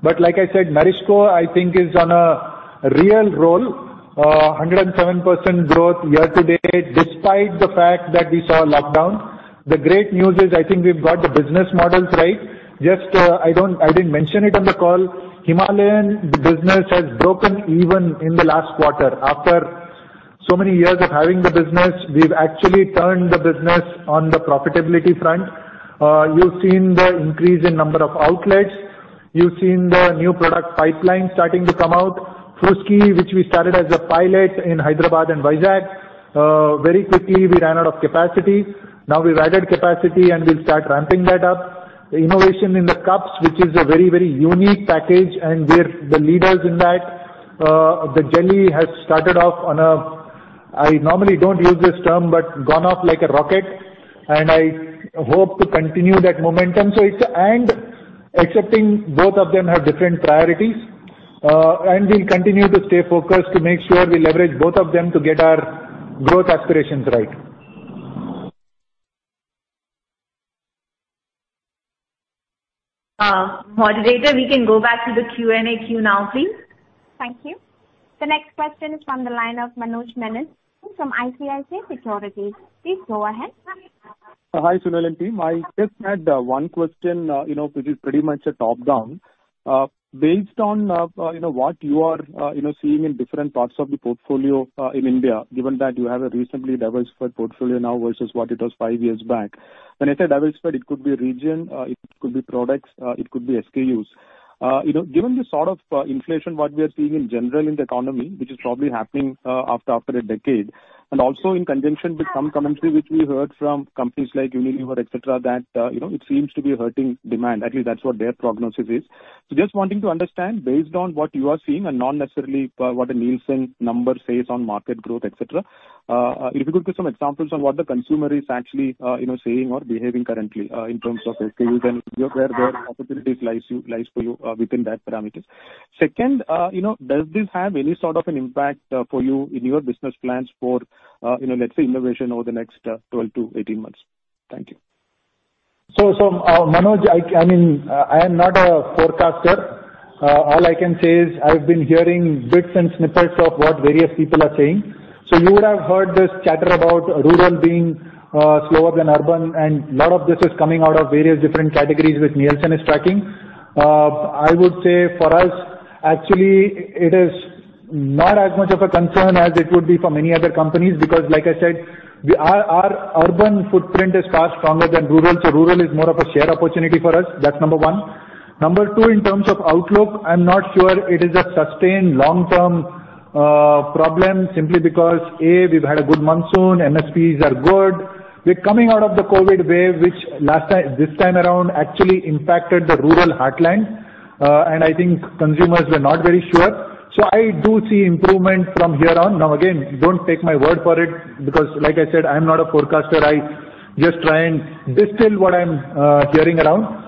Like I said, NourishCo, I think is on a real roll. A 107% growth year-to-date, despite the fact that we saw a lockdown. The great news is I think we've got the business models right. I didn't mention it on the call, Himalayan business has broken even in the last quarter. After so many years of having the business, we've actually turned the business on the profitability front. You've seen the increase in number of outlets. You've seen the new product pipeline starting to come out. Fruski, which we started as a pilot in Hyderabad and Vizag, very quickly we ran out of capacity. Now we've added capacity, and we'll start ramping that up. The innovation in the cups, which is a very unique package, and we're the leaders in that. The jelly has started off on a, I normally don't use this term, but gone off like a rocket, and I hope to continue that momentum. Accepting both of them have different priorities. We'll continue to stay focused to make sure we leverage both of them to get our growth aspirations right. Moderator, we can go back to the Q&A queue now, please. Thank you. The next question is from the line of Manoj Menon from ICICI Securities. Please go ahead. Hi, Sunil and team. I just had one question, which is pretty much a top-down. Based on what you are seeing in different parts of the portfolio in India, given that you have a recently diversified portfolio now versus what it was five years back. When I say diversified, it could be region, it could be products, it could be SKUs. Given the sort of inflation what we are seeing in general in the economy, which is probably happening after a decade, and also in conjunction with some commentary which we heard from companies like Unilever, etc., that it seems to be hurting demand at least that's what their prognosis is. Just wanting to understand, based on what you are seeing, and not necessarily what a Nielsen number says on market growth, etc. If you could give some examples on what the consumer is actually saying or behaving currently in terms of SKUs and where their opportunities lies for you within that parameters. Second, does this have any sort of an impact for you in your business plans for, let's say, innovation over the next 12-18 months? Thank you. Manoj, I am not a forecaster. All I can say is I've been hearing bits and snippets of what various people are saying. You would have heard this chatter about rural being slower than urban, and lot of this is coming out of various different categories which Nielsen is tracking. I would say for us, actually, it is not as much of a concern as it would be for many other companies, because like I said, our urban footprint is far stronger than rural, so rural is more of a share opportunity for us. That's number one. Number two, in terms of outlook, I'm not sure it is a sustained long-term problem simply because, A, we've had a good monsoon, MSPs are good. We're coming out of the COVID wave, which this time around actually impacted the rural heartland, and I think consumers were not very sure. I do see improvement from here on. Again, don't take my word for it, because like I said, I'm not a forecaster. I just try and distill what I'm hearing around.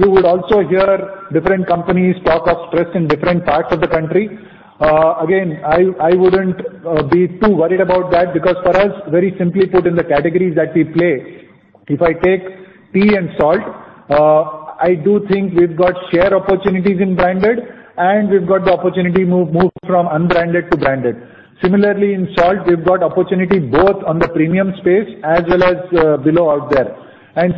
You would also hear different companies talk of stress in different parts of the country. I wouldn't be too worried about that because for us, very simply put in the categories that we play, if I take tea and salt, I do think we've got share opportunities in branded, and we've got the opportunity move from unbranded to branded. Similarly, in salt, we've got opportunity both on the premium space as well as below out there.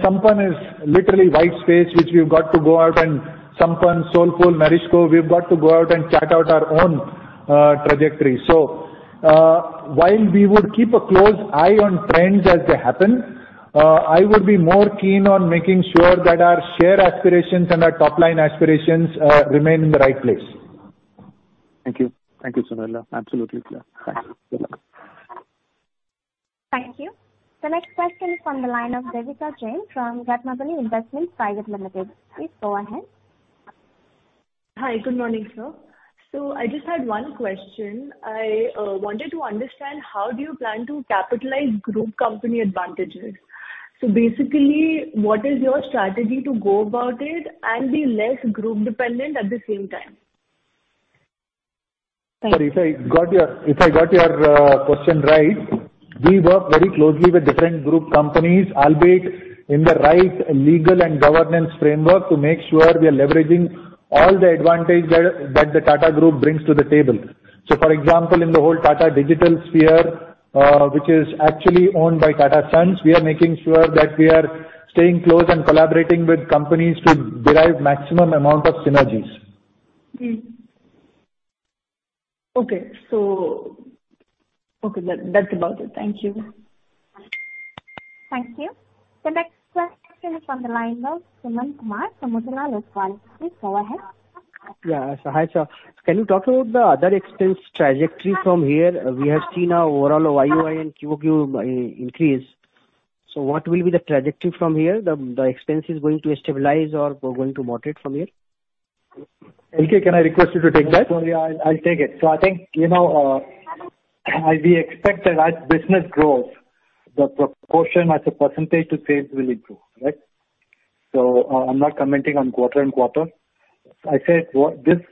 Sampann is literally white space, which we've got to go out, and Sampann, Soulfull, Marico, we've got to go out and chart out our own trajectory. While we would keep a close eye on trends as they happen, I would be more keen on making sure that our share aspirations and our top-line aspirations remain in the right place. Thank you. Thank you, Sunil. Absolutely clear. Thanks. Good luck. Thank you. The next question is from the line of Devika Jain from Ratnabali Investment Private Limited. Please go ahead. Hi. Good morning, sir. I just had one question. I wanted to understand how do you plan to capitalize group company advantages? Basically, what is your strategy to go about it and be less group dependent at the same time? Thank you. If I got your question right, we work very closely with different group companies, albeit in the right legal and governance framework to make sure we are leveraging all the advantage that the Tata Group brings to the table. For example, in the whole Tata Digital sphere, which is actually owned by Tata Sons, we are making sure that we are staying close and collaborating with companies to derive maximum amount of synergies. Okay. That's about it. Thank you. Thank you. The next question is on the line of Sumant Kumar from Motilal Oswal. Please go ahead. Yeah. Hi, sir. Can you talk about the other expense trajectory from here? We have seen a overall YoY and QoQ increase. What will be the trajectory from here? The expense is going to stabilize or going to moderate from here? LK, can I request you to take that? Sorry, I'll take it. I think, as we expect that as business grows, the proportion as a percentage to sales will improve, right? I'm not commenting on quarter and quarter. The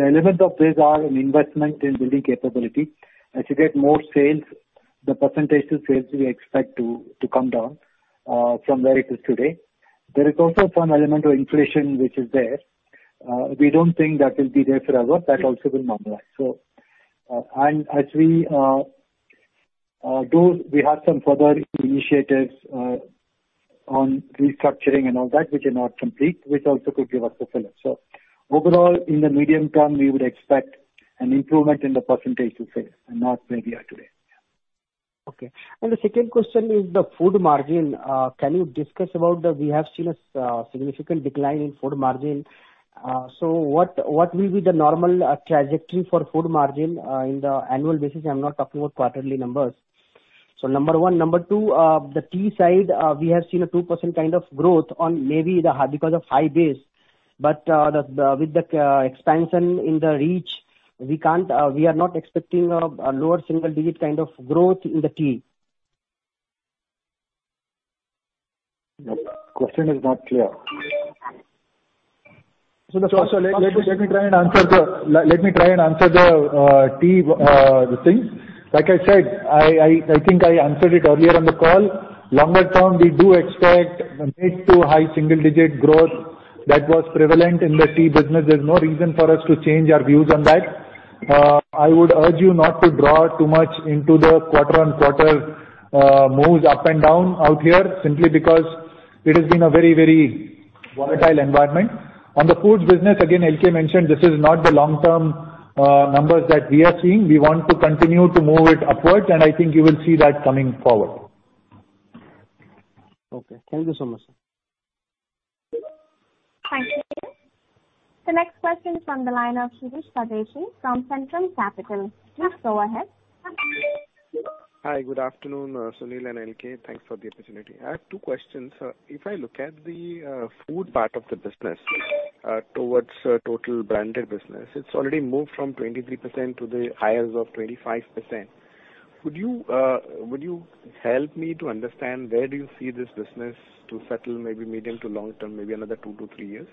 elements of this are an investment in building capability. As you get more sales, the percentage to sales we expect to come down from where it is today. There is also some element of inflation which is there. We don't think that will be there forever that also will normalize. As we do, we have some further initiatives on restructuring and all that, which are not complete, which also could give us a fillip. Overall, in the medium term, we would expect an improvement in the percentage to sales and not where we are today. Okay. The second question is the Foods margin. Can you discuss about that? We have seen a significant decline in Foods margin. What will be the normal trajectory for Foods margin in the annual basis? I'm not talking about quarterly numbers. Number one. Number two the tea side, we have seen a 2% kind of growth on maybe because of high base. With the expansion in the reach, we are not expecting a lower single digit kind of growth in the tea. The question is not clear. Let me try and answer the tea thing. Like I said, I think I answered it earlier on the call. Longer term, we do expect mid to high single-digit growth that was prevalent in the tea business. There's no reason for us to change our views on that. I would urge you not to draw too much into the quarter-on-quarter moves up and down out here, simply because it has been a very, very volatile environment. On the foods business, again, L.K. mentioned this is not the long-term numbers that we are seeing. We want to continue to move it upwards, and I think you will see that coming forward. Okay. Thank you so much, sir. Thank you. The next question from the line of Shirish Pardeshi from Centrum Capital. Yes, go ahead. Hi. Good afternoon, Sunil and L.K. Thanks for the opportunity. I have two questions. If I look at the food part of the business towards total branded business, it's already moved from 23% to the highest of 25%. Would you help me to understand where do you see this business to settle, maybe medium to long-term, maybe another two to three years?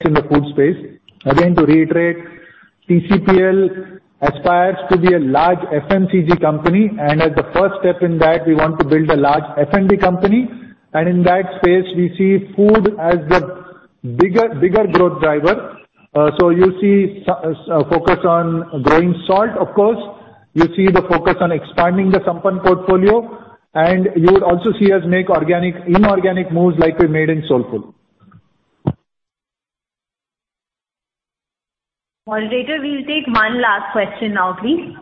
In the food space. Again, to reiterate, TCPL aspires to be a large FMCG company, and as a first step in that, we want to build a large F&B company. In that space, we see food as the bigger growth driver. You see focus on growing salt, of course. You see the focus on expanding the Sampann portfolio, and you would also see us make inorganic moves like we made in Soulfull. Moderator, we will take one last question now, please.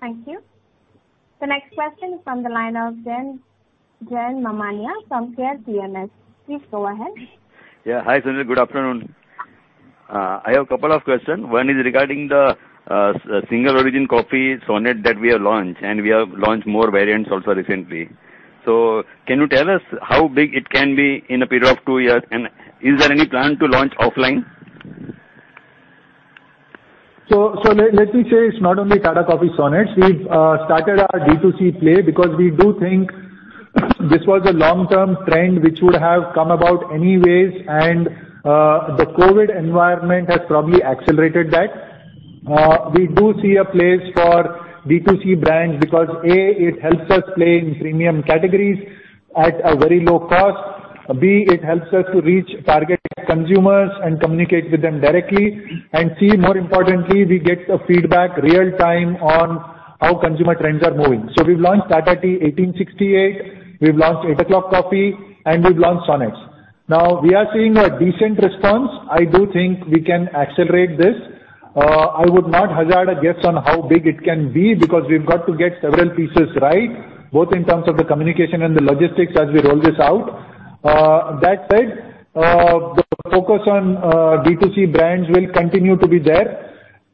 Thank you. The next question is from the line of Jayant Mamania from Care PMS. Please go ahead. Yeah. Hi, Sunil. Good afternoon. I have a couple of questions. One is regarding the single-origin coffee Sonnets that we have launched, and we have launched more variants also recently. Can you tell us how big it can be in a period of two years, and is there any plan to launch offline? Let me say it's not only Tata Coffee Sonnets. We've started our D2C play because we do think this was a long-term trend which would have come about anyways, and the COVID environment has probably accelerated that. We do see a place for D2C brands because, A, it helps us play in premium categories at a very low cost. B, it helps us to reach target consumers and communicate with them directly. C, more importantly, we get the feedback real time on how consumer trends are moving. We've launched Tata Tea 1868, we've launched Eight O'Clock Coffee, and we've launched Sonnets. We are seeing a decent response. I do think we can accelerate this. I would not hazard a guess on how big it can be, because we've got to get several pieces right, both in terms of the communication and the logistics as we roll this out. That said, the focus on D2C brands will continue to be there.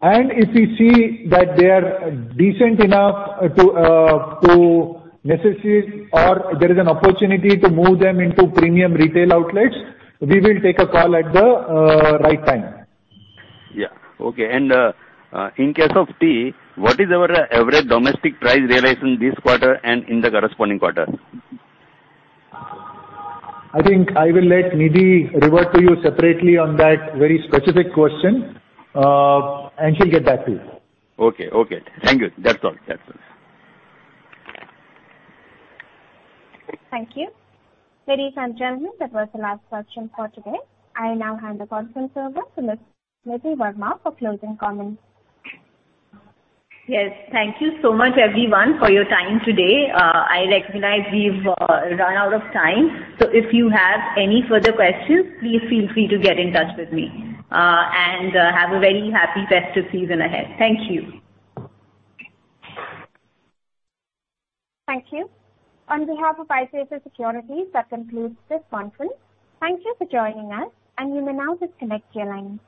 If we see that they are decent enough to necessitate or there is an opportunity to move them into premium retail outlets, we will take a call at the right time. Yeah. Okay. In case of tea, what is our average domestic price realization this quarter and in the corresponding quarter? I think I will let Nidhi revert to you separately on that very specific question, and she'll get back to you. Okay. Thank you. That's all. Thank you. Ladies and gentlemen, that was the last question for today. I now hand the conference over to Ms. Nidhi Verma for closing comments. Yes. Thank you so much everyone for your time today. I recognize we have run out of time. If you have any further questions, please feel free to get in touch with me. Have a very happy festive season ahead. Thank you. Thank you. On behalf of ICICI Securities, that concludes this conference. Thank you for joining us, and you may now disconnect your lines.